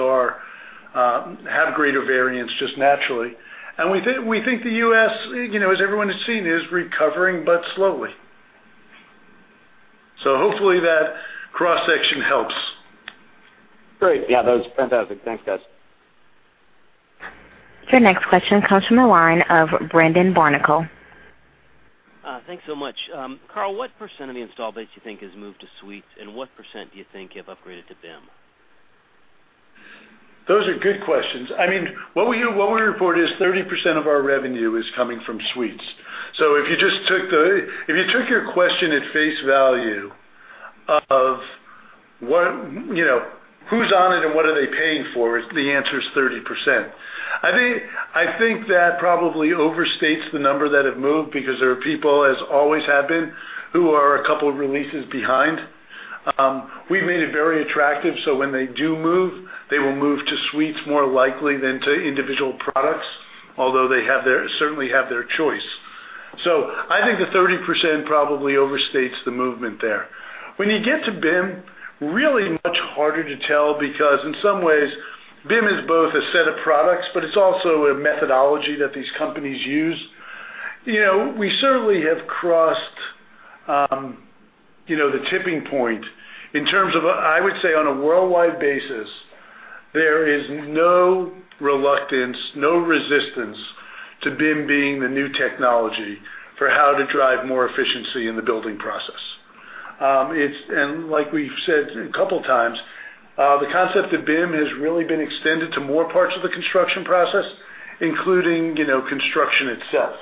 have greater variance just naturally. We think the U.S., as everyone has seen, is recovering, but slowly. Hopefully, that cross-section helps. Great. Yeah, that was fantastic. Thanks, guys. Your next question comes from the line of Brendan Barnicle. Thanks so much. Carl, what % of the install base do you think has moved to Suites, and what % do you think you have upgraded to BIM? Those are good questions. What we report is 30% of our revenue is coming from Suites. If you took your question at face value of who's on it and what are they paying for, the answer is 30%. I think that probably overstates the number that have moved because there are people, as always have been, who are a couple of releases behind. We've made it very attractive, so when they do move, they will move to Suites more likely than to individual products, although they certainly have their choice. I think the 30% probably overstates the movement there. When you get to BIM, really much harder to tell because in some ways, BIM is both a set of products, but it's also a methodology that these companies use. We certainly have crossed the tipping point in terms of, I would say on a worldwide basis, there is no reluctance, no resistance to BIM being the new technology for how to drive more efficiency in the building process. Like we've said a couple times, the concept of BIM has really been extended to more parts of the construction process, including construction itself.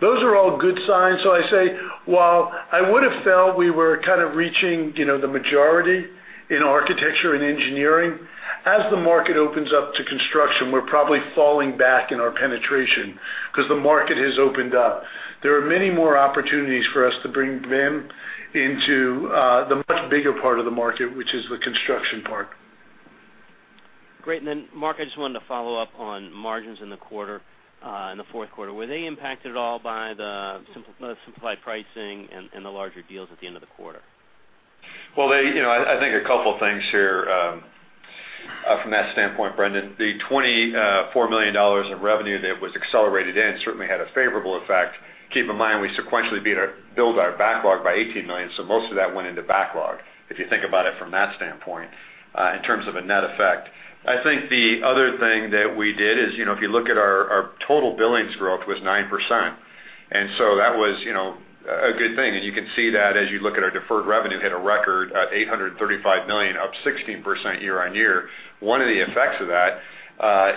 Those are all good signs. I say, while I would've felt we were reaching the majority in architecture and engineering, as the market opens up to construction, we're probably falling back in our penetration because the market has opened up. There are many more opportunities for us to bring BIM into the much bigger part of the market, which is the construction part. Great. Mark, I just wanted to follow up on margins in the quarter, in the fourth quarter. Were they impacted at all by the simplified pricing and the larger deals at the end of the quarter? Well, I think a couple of things here from that standpoint, Brendan. The $24 million of revenue that was accelerated in certainly had a favorable effect. Keep in mind, we sequentially build our backlog by $18 million, so most of that went into backlog, if you think about it from that standpoint, in terms of a net effect. I think the other thing that we did is, if you look at our total billings growth was 9%. That was a good thing. You can see that as you look at our deferred revenue hit a record at $835 million, up 16% year-on-year. One of the effects of that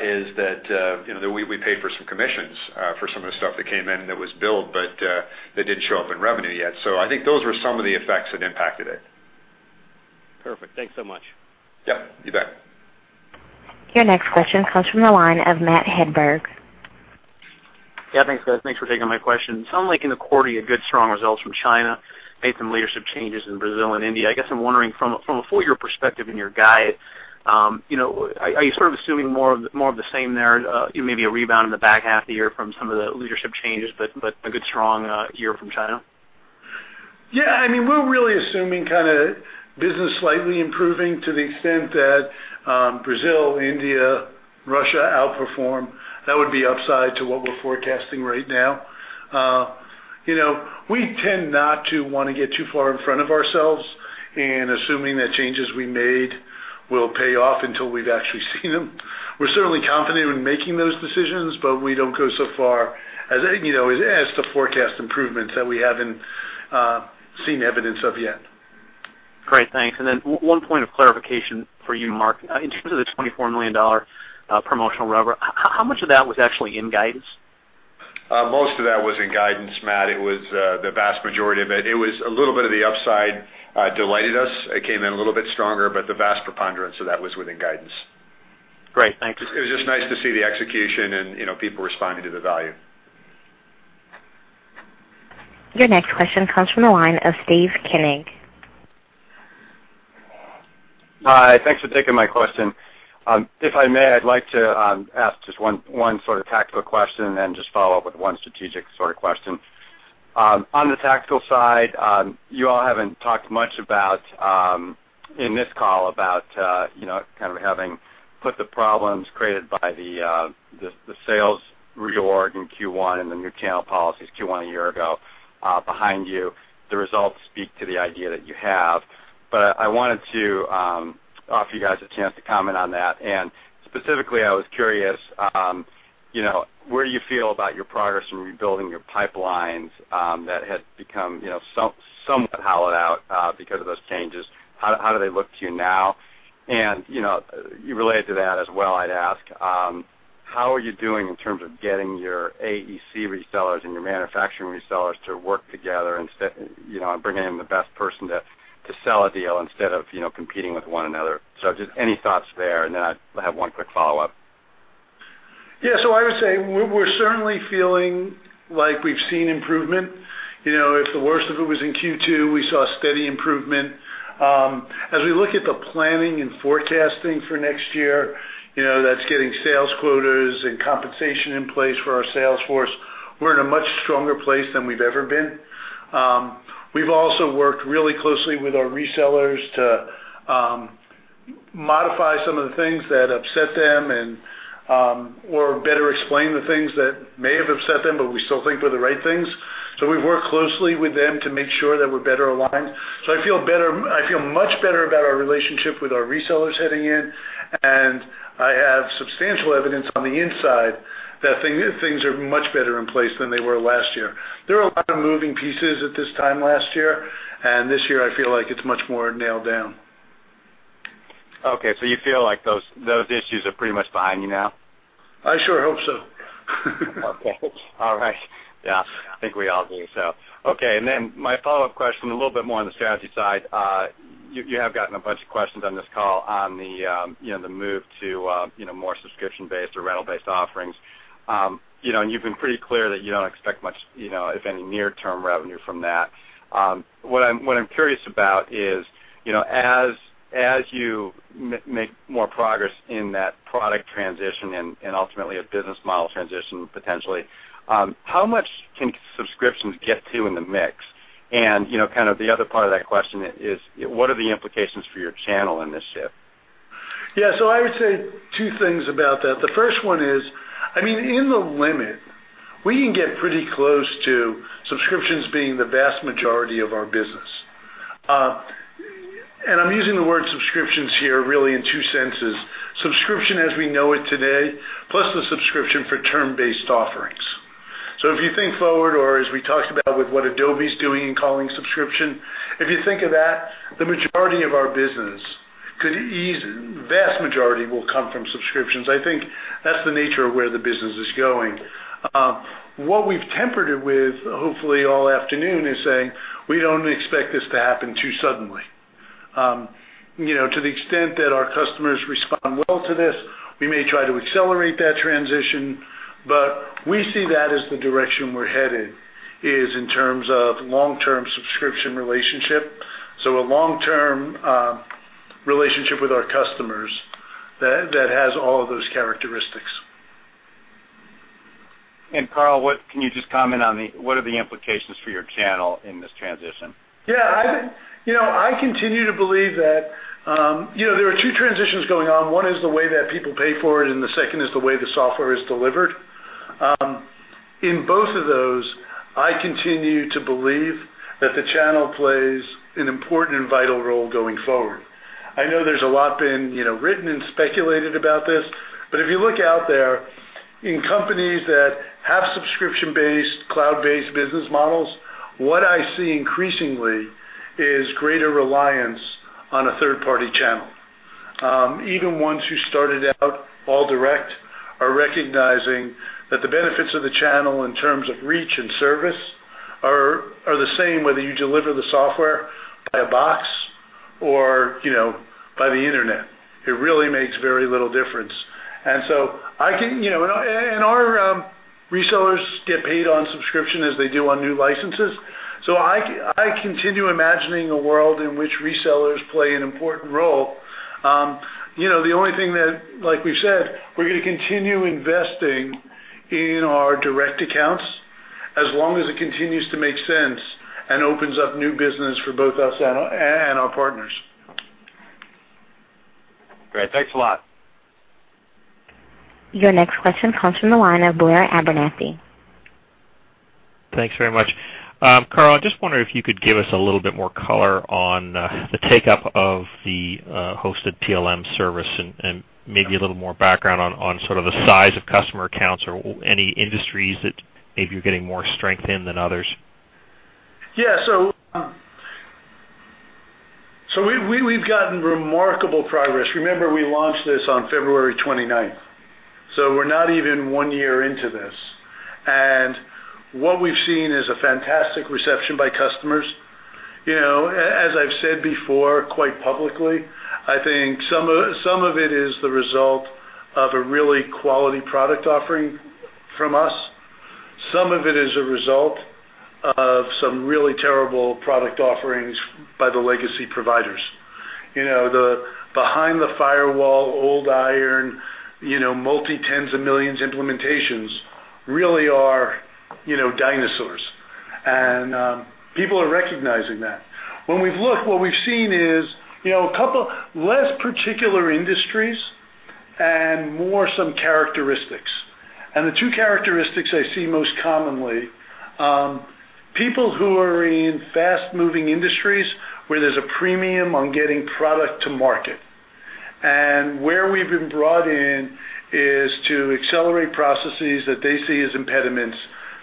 is that we paid for some commissions for some of the stuff that came in that was billed, but that didn't show up in revenue yet. I think those were some of the effects that impacted it. Perfect. Thanks so much. Yep, you bet. Your next question comes from the line of Matthew Hedberg. Yeah, thanks, guys. Thanks for taking my question. It sounded like in the quarter, you had good strong results from China, based on leadership changes in Brazil and India. I guess I'm wondering from a full-year perspective in your guide, are you assuming more of the same there, maybe a rebound in the back half of the year from some of the leadership changes, but a good strong year from China? Yeah, we're really assuming business slightly improving to the extent that Brazil, India, Russia outperform. That would be upside to what we're forecasting right now. We tend not to want to get too far in front of ourselves in assuming that changes we made will pay off until we've actually seen them. We're certainly confident in making those decisions, but we don't go so far as to forecast improvements that we haven't seen evidence of yet. Great, thanks. One point of clarification for you, Mark. In terms of the $24 million promotional revenue, how much of that was actually in guidance? Most of that was in guidance, Matt. It was the vast majority of it. It was a little bit of the upside delighted us. It came in a little bit stronger, but the vast preponderance of that was within guidance. Great, thanks. It was just nice to see the execution and people responding to the value. Your next question comes from the line of Steve Koenig. Hi, thanks for taking my question. If I may, I'd like to ask just one tactical question, and then just follow up with one strategic question. On the tactical side, you all haven't talked much in this call about having put the problems created by the sales reorg in Q1 and the new channel policies Q1 a year ago behind you. The results speak to the idea that you have, but I wanted to offer you guys a chance to comment on that. Specifically, I was curious, where do you feel about your progress in rebuilding your pipelines, that had become somewhat hollowed out, because of those changes? How do they look to you now? Related to that as well, I'd ask, how are you doing in terms of getting your AEC resellers and your manufacturing resellers to work together instead, and bringing in the best person to sell a deal instead of competing with one another. Just any thoughts there, then I have one quick follow-up. Yeah. I would say we're certainly feeling like we've seen improvement. If the worst of it was in Q2, we saw steady improvement. As we look at the planning and forecasting for next year, that's getting sales quotas and compensation in place for our sales force. We're in a much stronger place than we've ever been. We've also worked really closely with our resellers to modify some of the things that upset them, or better explain the things that may have upset them, but we still think were the right things. We've worked closely with them to make sure that we're better aligned. I feel much better about our relationship with our resellers heading in, and I have substantial evidence on the inside that things are much better in place than they were last year. There were a lot of moving pieces at this time last year, this year I feel like it's much more nailed down. Okay, you feel like those issues are pretty much behind you now? I sure hope so. Okay. All right. Yeah, I think we all do so. Okay. Then my follow-up question, a little bit more on the strategy side. You have gotten a bunch of questions on this call on the move to more subscription-based or rental-based offerings. You've been pretty clear that you don't expect much, if any, near-term revenue from that. What I'm curious about is, as you make more progress in that product transition and ultimately a business model transition, potentially, how much can subscriptions get to in the mix? The other part of that question is, what are the implications for your channel in this shift? Yeah. I would say two things about that. The first one is, in the limit, we can get pretty close to subscriptions being the vast majority of our business. I'm using the word subscriptions here really in two senses, subscription as we know it today, plus the subscription for term-based offerings. If you think forward or as we talked about with what Adobe's doing and calling subscription, if you think of that, vast majority will come from subscriptions. I think that's the nature of where the business is going. We've tempered it with, hopefully all afternoon, is saying, we don't expect this to happen too suddenly. The extent that our customers respond well to this, we may try to accelerate that transition, but we see that as the direction we're headed is in terms of long-term subscription relationship. A long-term relationship with our customers that has all of those characteristics. Carl, can you just comment on what are the implications for your channel in this transition? Yeah. I continue to believe that there are two transitions going on. One is the way that people pay for it, and the second is the way the software is delivered. In both of those, I continue to believe that the channel plays an important and vital role going forward. I know there's a lot been written and speculated about this, but if you look out there, in companies that have subscription-based, cloud-based business models, what I see increasingly is greater reliance on a third-party channel. Even ones who started out all direct are recognizing that the benefits of the channel in terms of reach and service are the same, whether you deliver the software by a box or by the internet. It really makes very little difference. Our resellers get paid on subscription as they do on new licenses. I continue imagining a world in which resellers play an important role. The only thing that, like we've said, we're going to continue investing in our direct accounts as long as it continues to make sense and opens up new business for both us and our partners. Great. Thanks a lot. Your next question comes from the line of Blair Abernethy. Thanks very much. Carl, I'm just wondering if you could give us a little bit more color on the take-up of the hosted PLM service and maybe a little more background on sort of the size of customer accounts or any industries that maybe you're getting more strength in than others. We've gotten remarkable progress. Remember, we launched this on February 29th, we're not even one year into this. What we've seen is a fantastic reception by customers. As I've said before, quite publicly, I think some of it is the result of a really quality product offering from us. Some of it is a result of some really terrible product offerings by the legacy providers. The behind the firewall, old iron, multi-tens of millions implementations really are dinosaurs. People are recognizing that. When we've looked, what we've seen is a couple less particular industries and more some characteristics. The two characteristics I see most commonly, people who are in fast-moving industries where there's a premium on getting product to market. Where we've been brought in is to accelerate processes that they see as impediments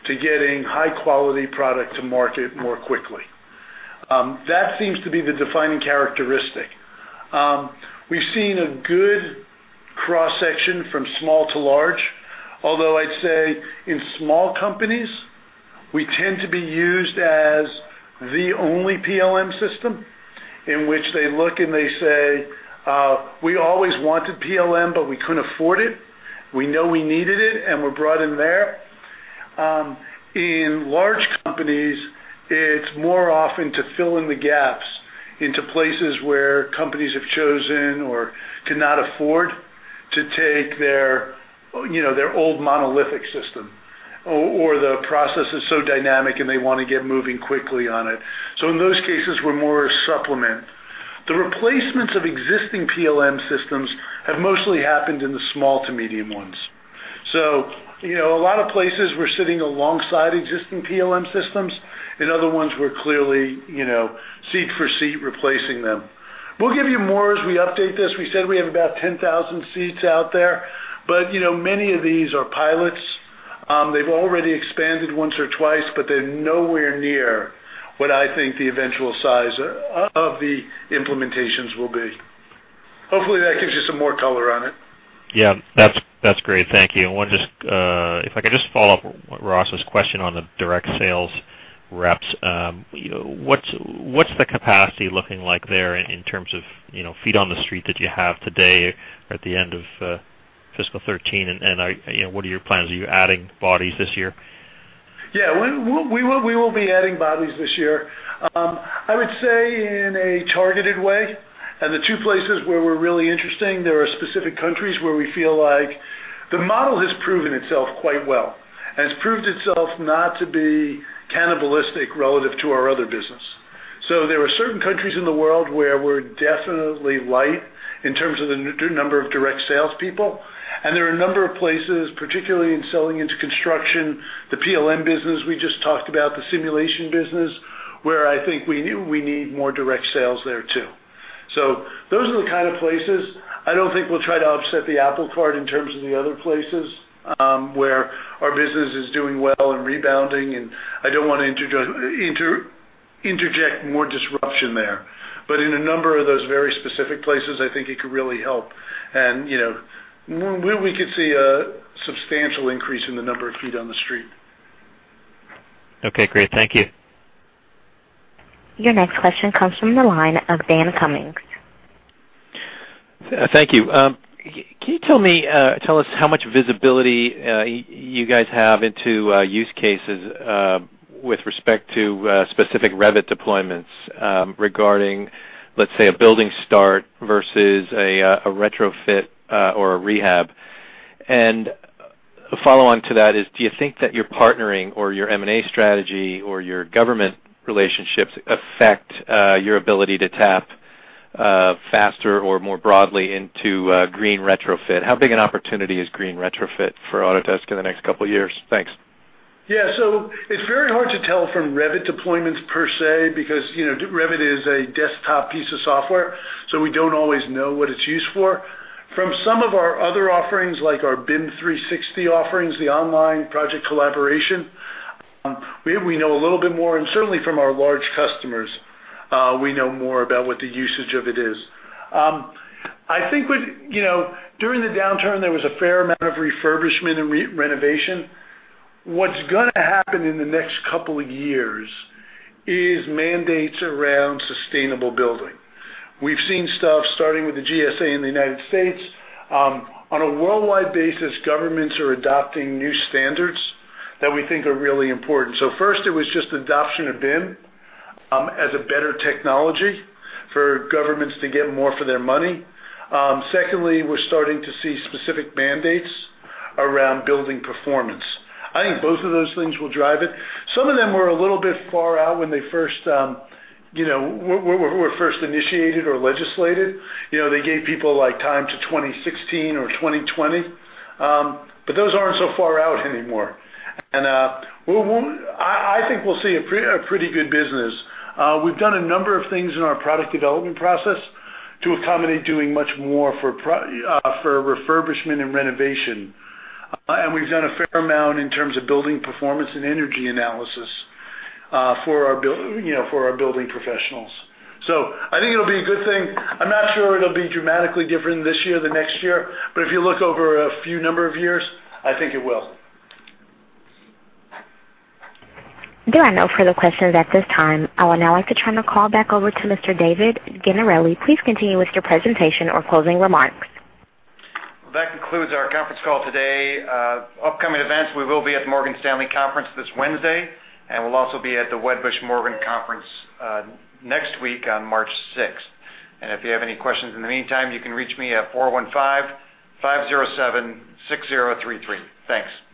to getting high-quality product to market more quickly. That seems to be the defining characteristic. We've seen a good cross-section from small to large, although I'd say in small companies, we tend to be used as the only PLM system in which they look and they say, "We always wanted PLM, but we couldn't afford it. We know we needed it," and we're brought in there. In large companies, it's more often to fill in the gaps into places where companies have chosen or cannot afford to take their old monolithic system, or the process is so dynamic and they want to get moving quickly on it. In those cases, we're more a supplement. The replacements of existing PLM systems have mostly happened in the small to medium ones. A lot of places, we're sitting alongside existing PLM systems. In other ones, we're clearly seat for seat replacing them. We'll give you more as we update this. We said we have about 10,000 seats out there, but many of these are pilots. They've already expanded once or twice, but they're nowhere near what I think the eventual size of the implementations will be. Hopefully, that gives you some more color on it. Yeah. That's great, thank you. If I could just follow up Ross's question on the direct sales reps. What's the capacity looking like there in terms of feet on the street that you have today at the end of fiscal 2013, what are your plans? Are you adding bodies this year? Yeah. We will be adding bodies this year, I would say, in a targeted way. The two places where we're really interesting, there are specific countries where we feel like the model has proven itself quite well and has proved itself not to be cannibalistic relative to our other business. There are certain countries in the world where we're definitely light in terms of the number of direct salespeople, and there are a number of places, particularly in selling into construction, the PLM business, we just talked about the simulation business, where I think we need more direct sales there, too. Those are the kind of places. I don't think we'll try to upset the apple cart in terms of the other places where our business is doing well and rebounding, and I don't want to interject more disruption there. In a number of those very specific places, I think it could really help. We could see a substantial increase in the number of feet on the street. Okay, great. Thank you. Your next question comes from the line of Daniel Cummings. Thank you. Can you tell us how much visibility you guys have into use cases with respect to specific Revit deployments regarding, let's say, a building start versus a retrofit or a rehab? A follow-on to that is, do you think that your partnering or your M&A strategy or your government relationships affect your ability to tap faster or more broadly into green retrofit? How big an opportunity is green retrofit for Autodesk in the next couple of years? Thanks. Yeah. It's very hard to tell from Revit deployments per se, because Revit is a desktop piece of software, so we don't always know what it's used for. From some of our other offerings, like our BIM 360 offerings, the online project collaboration, we know a little bit more, and certainly from our large customers, we know more about what the usage of it is. During the downturn, there was a fair amount of refurbishment and renovation. What's going to happen in the next couple of years is mandates around sustainable building. We've seen stuff starting with the GSA in the U.S. On a worldwide basis, governments are adopting new standards that we think are really important. First, it was just adoption of BIM as a better technology for governments to get more for their money. Secondly, we're starting to see specific mandates around building performance. I think both of those things will drive it. Some of them were a little bit far out when they were first initiated or legislated. They gave people time to 2016 or 2020. Those aren't so far out anymore. I think we'll see a pretty good business. We've done a number of things in our product development process to accommodate doing much more for refurbishment and renovation. We've done a fair amount in terms of building performance and energy analysis for our building professionals. I think it'll be a good thing. I'm not sure it'll be dramatically different this year or the next year, but if you look over a few number of years, I think it will. There are no further questions at this time. I would now like to turn the call back over to Mr. David Gennarelli. Please continue with your presentation or closing remarks. That concludes our conference call today. Upcoming events, we will be at the Morgan Stanley conference this Wednesday, we'll also be at the Wedbush Morgan conference next week on March sixth. If you have any questions in the meantime, you can reach me at 415-507-6033. Thanks.